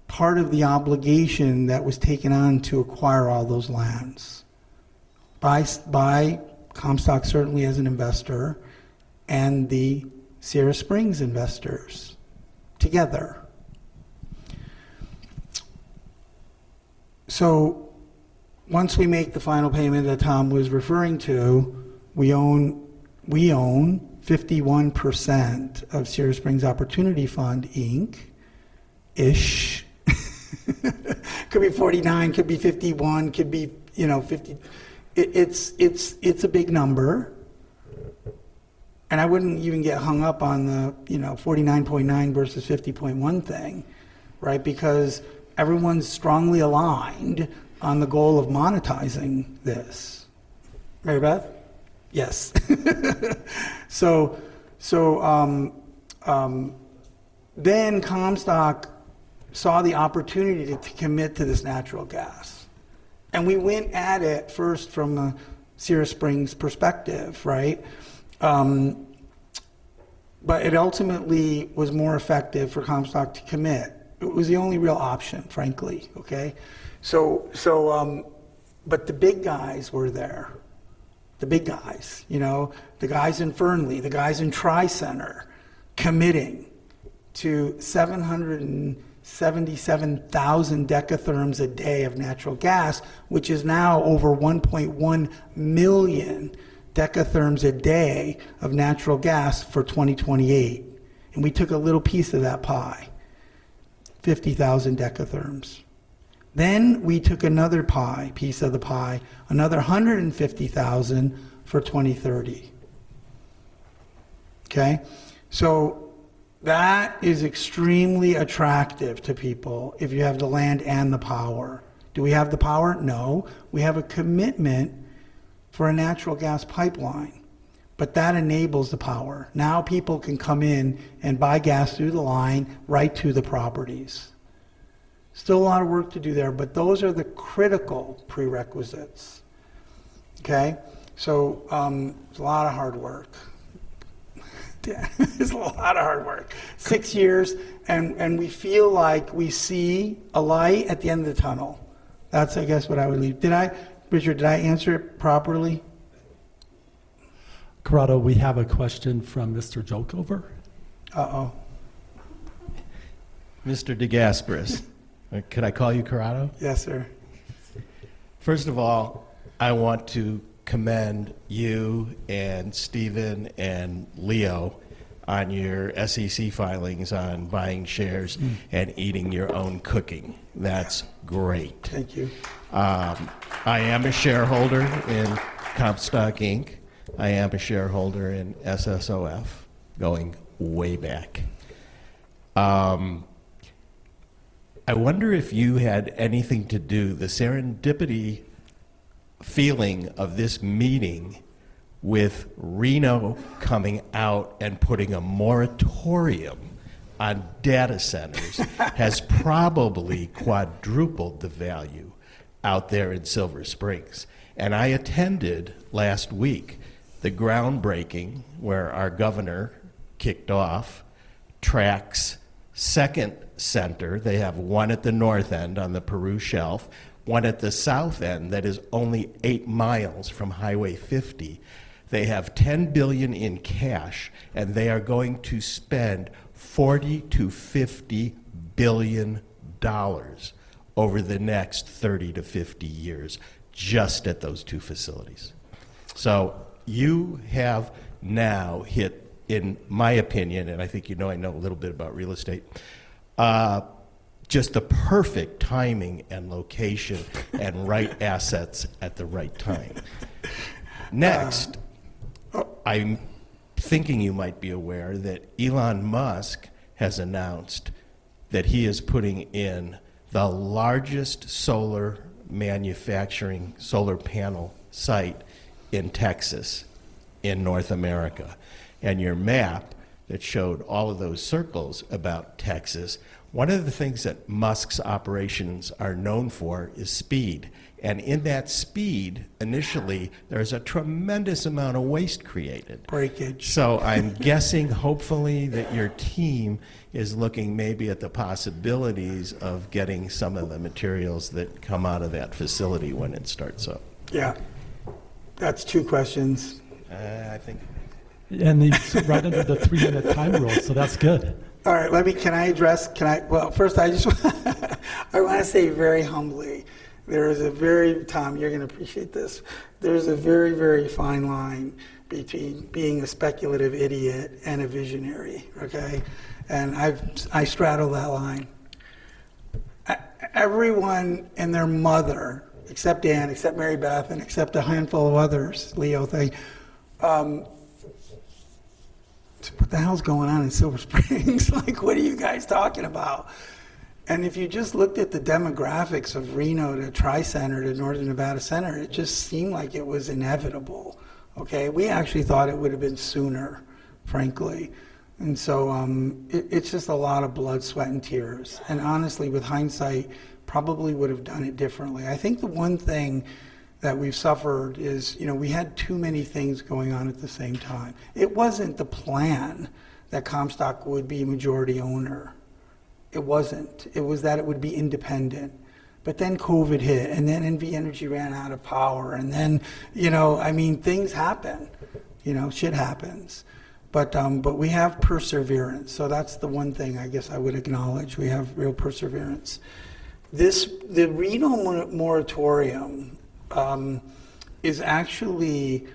part of the obligation that was taken on to acquire all those lands by Comstock, certainly as an investor, and the Sierra Springs investors together. Once we make the final payment that Tom was referring to, we own 51% of Sierra Springs Opportunity Fund Inc.-ish. Could be 49%, could be 51%, could be 50. It's a big number. I wouldn't even get hung up on the 49.9 vs 50.1 thing. Right? Everyone's strongly aligned on the goal of monetizing this. Mary Beth? Yes. Comstock saw the opportunity to commit to this natural gas. We went at it first from a Sierra Springs perspective. Right? It ultimately was more effective for Comstock to commit. It was the only real option, frankly. Okay? The big guys were there. The big guys. The guys in Fernley, the guys in TRIC, committing to 777,000 dekatherms a day of natural gas, which is now over 1.1 million dekatherms a day of natural gas for 2028. We took a little piece of that pie, 50,000 dekatherms. We took another piece of the pie, another 150,000 for 2030. Okay? That is extremely attractive to people if you have the land and the power. Do we have the power? No. We have a commitment for a natural gas pipeline, but that enables the power. Now people can come in and buy gas through the line right to the properties. Still a lot of work to do there, but those are the critical prerequisites. Okay? It's a lot of hard work. Yeah, it's a lot of hard work. Six years, and we feel like we see a light at the end of the tunnel. That's, I guess, what I would leave Rich. Did I answer it properly? Corrado, we have a question from Mr. Jolcover. Mr. De Gasperis, could I call you Corrado? Yes, sir. I want to commend you and Steven and Leo on your SEC filings on buying shares and eating your own cooking. That's great. Thank you. I am a shareholder in Comstock Inc. I am a shareholder in SSOF going way back. The serendipity feeling of this meeting with Reno coming out and putting a moratorium on data centers, has probably quadrupled the value out there in Silver Springs. I attended last week, the groundbreaking where our governor kicked off Tract's second center. They have one at the north end on the Peru Shelf, one at the south end that is only 8 mi from Highway 50. They have $10 billion in cash, and they are going to spend $40 billion-$50 billion over the next 30-50 years just at those two facilities. You have now hit, in my opinion, and I think you know I know a little bit about real estate, just the perfect timing and location and right assets at the right time. Next, I'm thinking you might be aware that Elon Musk has announced that he is putting in the largest solar manufacturing solar panel site in Texas, in North America. Your map that showed all of those circles about Texas, one of the things that Musk's operations are known for is speed. In that speed, initially, there's a tremendous amount of waste created. Breakage. I'm guessing, hopefully, that your team is looking maybe at the possibilities of getting some of the materials that come out of that facility when it starts up. Yeah. That's two questions. I think- He's right under the three-minute time rule, so that's good. All right. Well, first I just want to say very humbly, Tom, you're going to appreciate this. There's a very fine line between being a speculative idiot and a visionary, okay? I straddle that line. Everyone and their mother, except Anne, except Mary Beth, and except a handful of others, Leo, think, "What the hell's going on in Silver Springs?" "What are you guys talking about?" If you just looked at the demographics of Reno to Tri-Center to Northern Nevada Center, it just seemed like it was inevitable. Okay? We actually thought it would've been sooner, frankly. It's just a lot of blood, sweat, and tears. Honestly, with hindsight, probably would've done it differently. I think the one thing that we've suffered is we had too many things going on at the same time. It wasn't the plan that Comstock would be a majority owner. It wasn't. It was that it would be independent. COVID hit, NV Energy ran out of power, I mean, things happen. Shit happens. We have perseverance, that's the one thing I guess I would acknowledge. We have real perseverance. The Reno moratorium is actually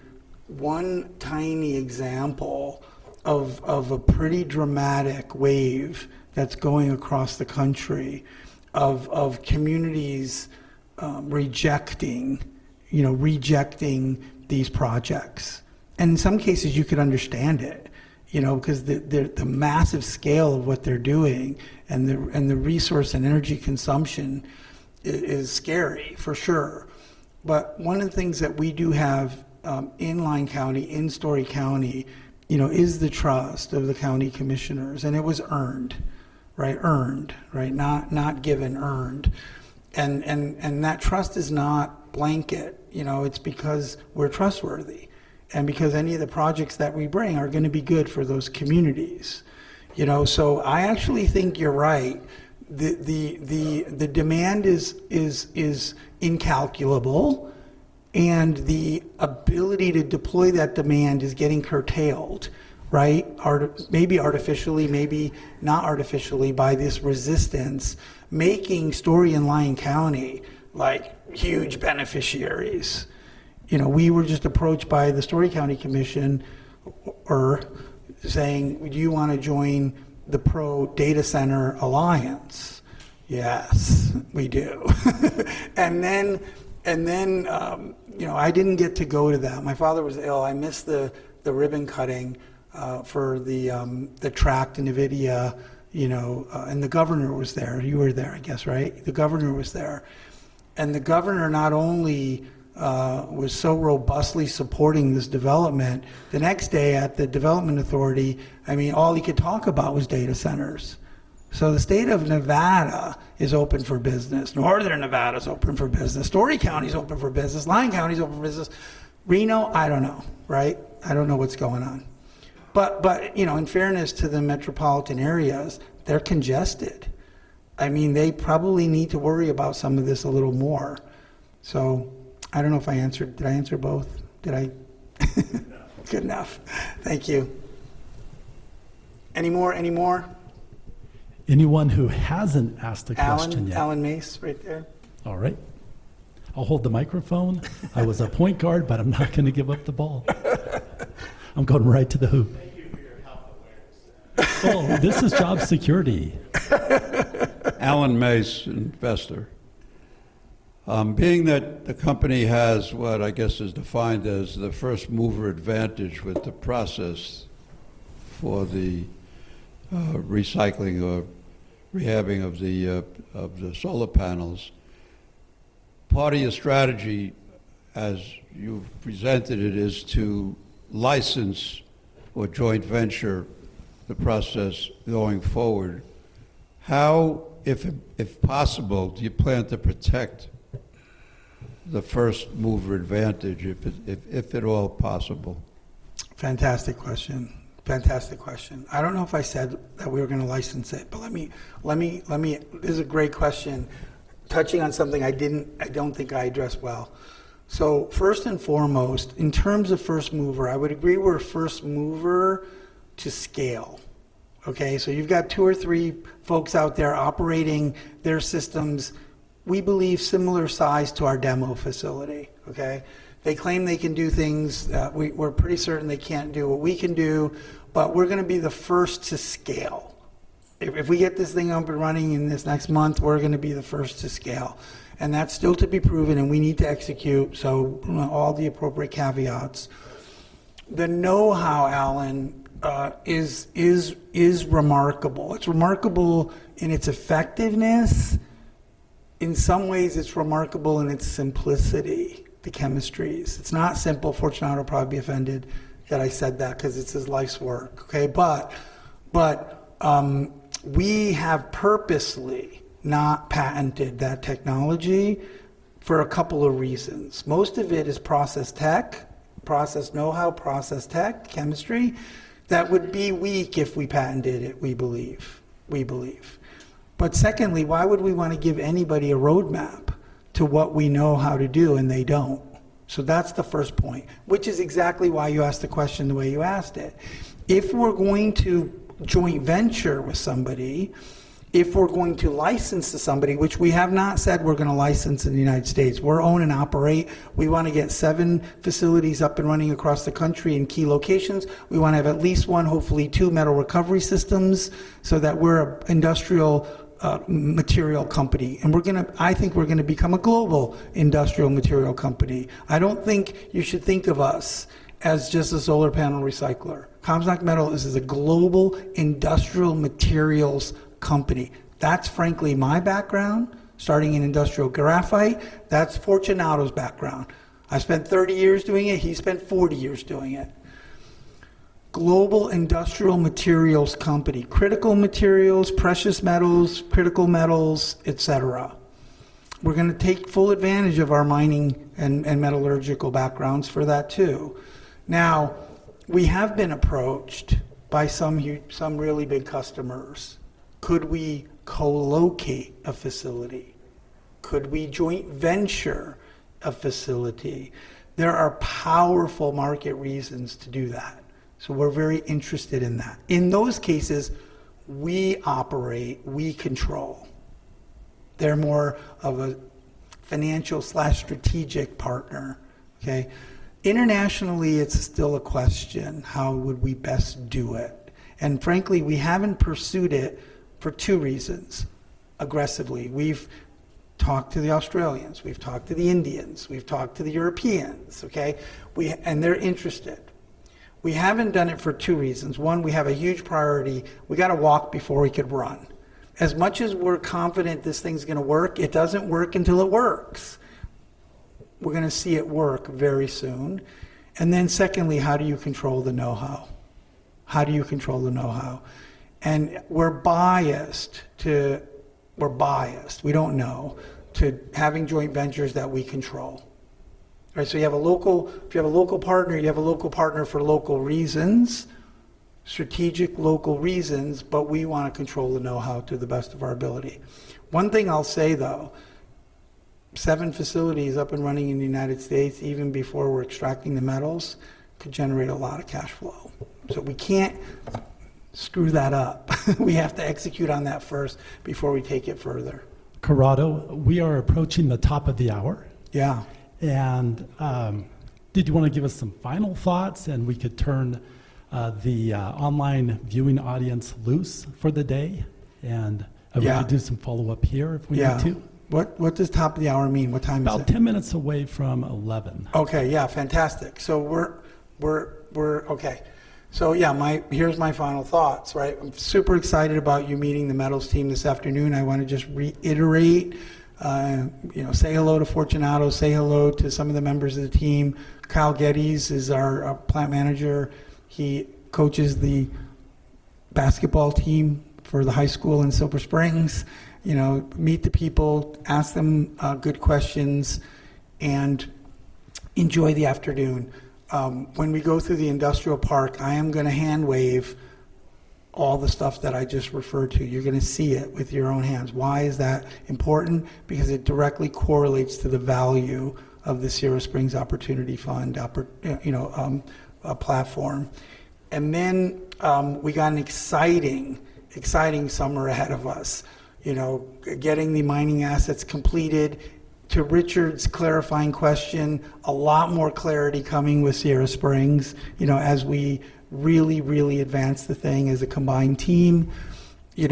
one tiny example of a pretty dramatic wave that's going across the country of communities rejecting these projects. In some cases, you could understand it, because the massive scale of what they're doing and the resource and energy consumption is scary, for sure. One of the things that we do have in Lyon County, in Storey County, is the trust of the county commissioners, it was earned. Not given, earned. That trust is not blanket. It's because we're trustworthy and because any of the projects that we bring are going to be good for those communities. I actually think you're right. The demand is incalculable, and the ability to deploy that demand is getting curtailed, maybe artificially, maybe not artificially, by this resistance, making Storey and Lyon County huge beneficiaries. We were just approached by the Storey County Commissioner saying, "Do you want to join the Pro Data Center Alliance?" "Yes, we do." I didn't get to go to that. My father was ill. I missed the ribbon cutting for the Tract in NVIDIA, and the governor was there. You were there, I guess, right? The governor was there. The governor not only was so robustly supporting this development, the next day at the Development Authority, all he could talk about was data centers. The state of Nevada is open for business. Northern Nevada is open for business. Storey County is open for business. Lyon County is open for business. Reno, I don't know. I don't know what's going on. In fairness to the metropolitan areas, they're congested. They probably need to worry about some of this a little more. I don't know if I answered. Did I answer both? Did I? Good enough. Good enough. Thank you. Any more? Anyone who hasn't asked a question yet. Alan Mace right there. All right. I'll hold the microphone. I was a point guard, but I'm not going to give up the ball. I'm going right to the hoop. Thank you for your health awareness. Oh, this is job security. Alan Mace, investor. Being that the company has what I guess is defined as the first-mover advantage with the process for the recycling or rehabbing of the solar panels, part of your strategy, as you've presented it, is to license or joint venture the process going forward. How, if possible, do you plan to protect the first-mover advantage, if at all possible? Fantastic question. I don't know if I said that we were going to license it, but this is a great question, touching on something I don't think I addressed well. First and foremost, in terms of first mover, I would agree we're a first mover to scale. Okay? You've got two or three folks out there operating their systems, we believe similar size to our demo facility. Okay? They claim they can do things that we're pretty certain they can't do what we can do, but we're going to be the first to scale. If we get this thing up and running in this next month, we're going to be the first to scale, and that's still to be proven, and we need to execute. All the appropriate caveats. The know-how, Alan, is remarkable. It's remarkable in its effectiveness. In some ways, it's remarkable in its simplicity, the chemistries. It's not simple. Fortunato will probably be offended that I said that because it's his life's work. Okay. We have purposely not patented that technology for a couple of reasons. Most of it is process tech, process know-how, process tech, chemistry, that would be weak if we patented it, we believe. Secondly, why would we want to give anybody a roadmap to what we know how to do and they don't? That's the first point, which is exactly why you asked the question the way you asked it. If we're going to joint venture with somebody, if we're going to license to somebody, which we have not said we're going to license in the United States. We're own and operate. We want to get seven facilities up and running across the country in key locations. We want to have at least one, hopefully two metal recovery systems so that we're an industrial material company, and I think we're going to become a global industrial material company. I don't think you should think of us as just a solar panel recycler. Comstock Metals is a global industrial materials company. That's frankly my background, starting in industrial graphite. That's Fortunato's background. I spent 30 years doing it. He spent 40 years doing it. Global industrial materials company. Critical materials, precious metals, critical metals, et cetera. We're going to take full advantage of our mining and metallurgical backgrounds for that, too. Now, we have been approached by some really big customers. Could we co-locate a facility? Could we joint venture a facility? There are powerful market reasons to do that, so we're very interested in that. In those cases, we operate, we control. They're more of a financial/strategic partner, okay. Internationally, it's still a question, how would we best do it? Frankly, we haven't pursued it for two reasons aggressively. We've talked to the Australians, we've talked to the Indians, we've talked to the Europeans, okay. They're interested. We haven't done it for two reasons. One, we have a huge priority. We've got to walk before we could run. As much as we're confident this thing's going to work, it doesn't work until it works. We're going to see it work very soon. Then secondly, how do you control the know-how? How do you control the know-how? We're biased. We don't know, to having joint ventures that we control. All right, if you have a local partner, you have a local partner for local reasons, strategic local reasons, but we want to control the know-how to the best of our ability. One thing I'll say, though, seven facilities up and running in the United States, even before we're extracting the metals, could generate a lot of cash flow. We can't screw that up. We have to execute on that first before we take it further. Corrado, we are approaching the top of the hour. Yeah. Did you want to give us some final thoughts and we could turn the online viewing audience loose for the day. Yeah We could do some follow-up here if we need to. Yeah. What does top of the hour mean? What time is it? About 10 minutes away from 11. Okay. Yeah. Fantastic. We're okay. Here's my final thoughts, right? I'm super excited about you meeting the metals team this afternoon. I want to just reiterate, say hello to Fortunato, say hello to some of the members of the team. Kyle Geddes is our plant manager. He coaches the basketball team for the high school in Silver Springs. Meet the people, ask them good questions, and enjoy the afternoon. When we go through the industrial park, I am going to hand wave all the stuff that I just referred to. You're going to see it with your own hands. Why is that important? Because it directly correlates to the value of the Sierra Springs Opportunity Fund platform. We got an exciting summer ahead of us. Getting the mining assets completed. To Richard's clarifying question, a lot more clarity coming with Sierra Springs, as we really advance the thing as a combined team. The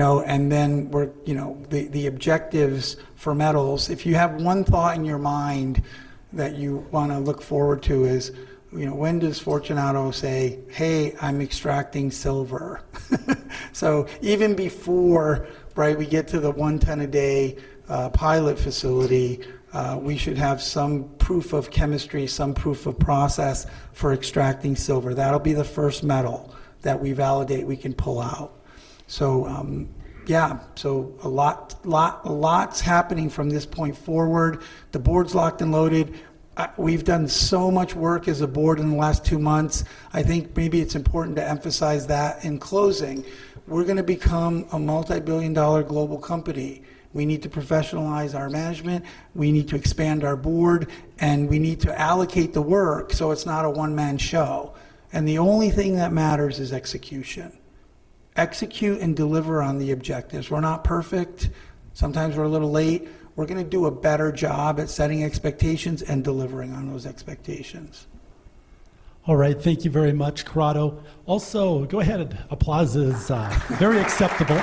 objectives for metals. If you have one thought in your mind that you want to look forward to is when does Fortunato say, "Hey, I'm extracting silver." Even before, right, we get to the one ton a day pilot facility, we should have some proof of chemistry, some proof of process for extracting silver. That'll be the first metal that we validate we can pull out. A lot's happening from this point forward. The board's locked and loaded. We've done so much work as a board in the last two months. I think maybe it's important to emphasize that in closing. We're going to become a multibillion-dollar global company. We need to professionalize our management, we need to expand our board, and we need to allocate the work so it's not a one-man show. The only thing that matters is execution. Execute and deliver on the objectives. We're not perfect. Sometimes we're a little late. We're going to do a better job at setting expectations and delivering on those expectations. All right. Thank you very much, Corrado. Also, go ahead. Applause is very acceptable.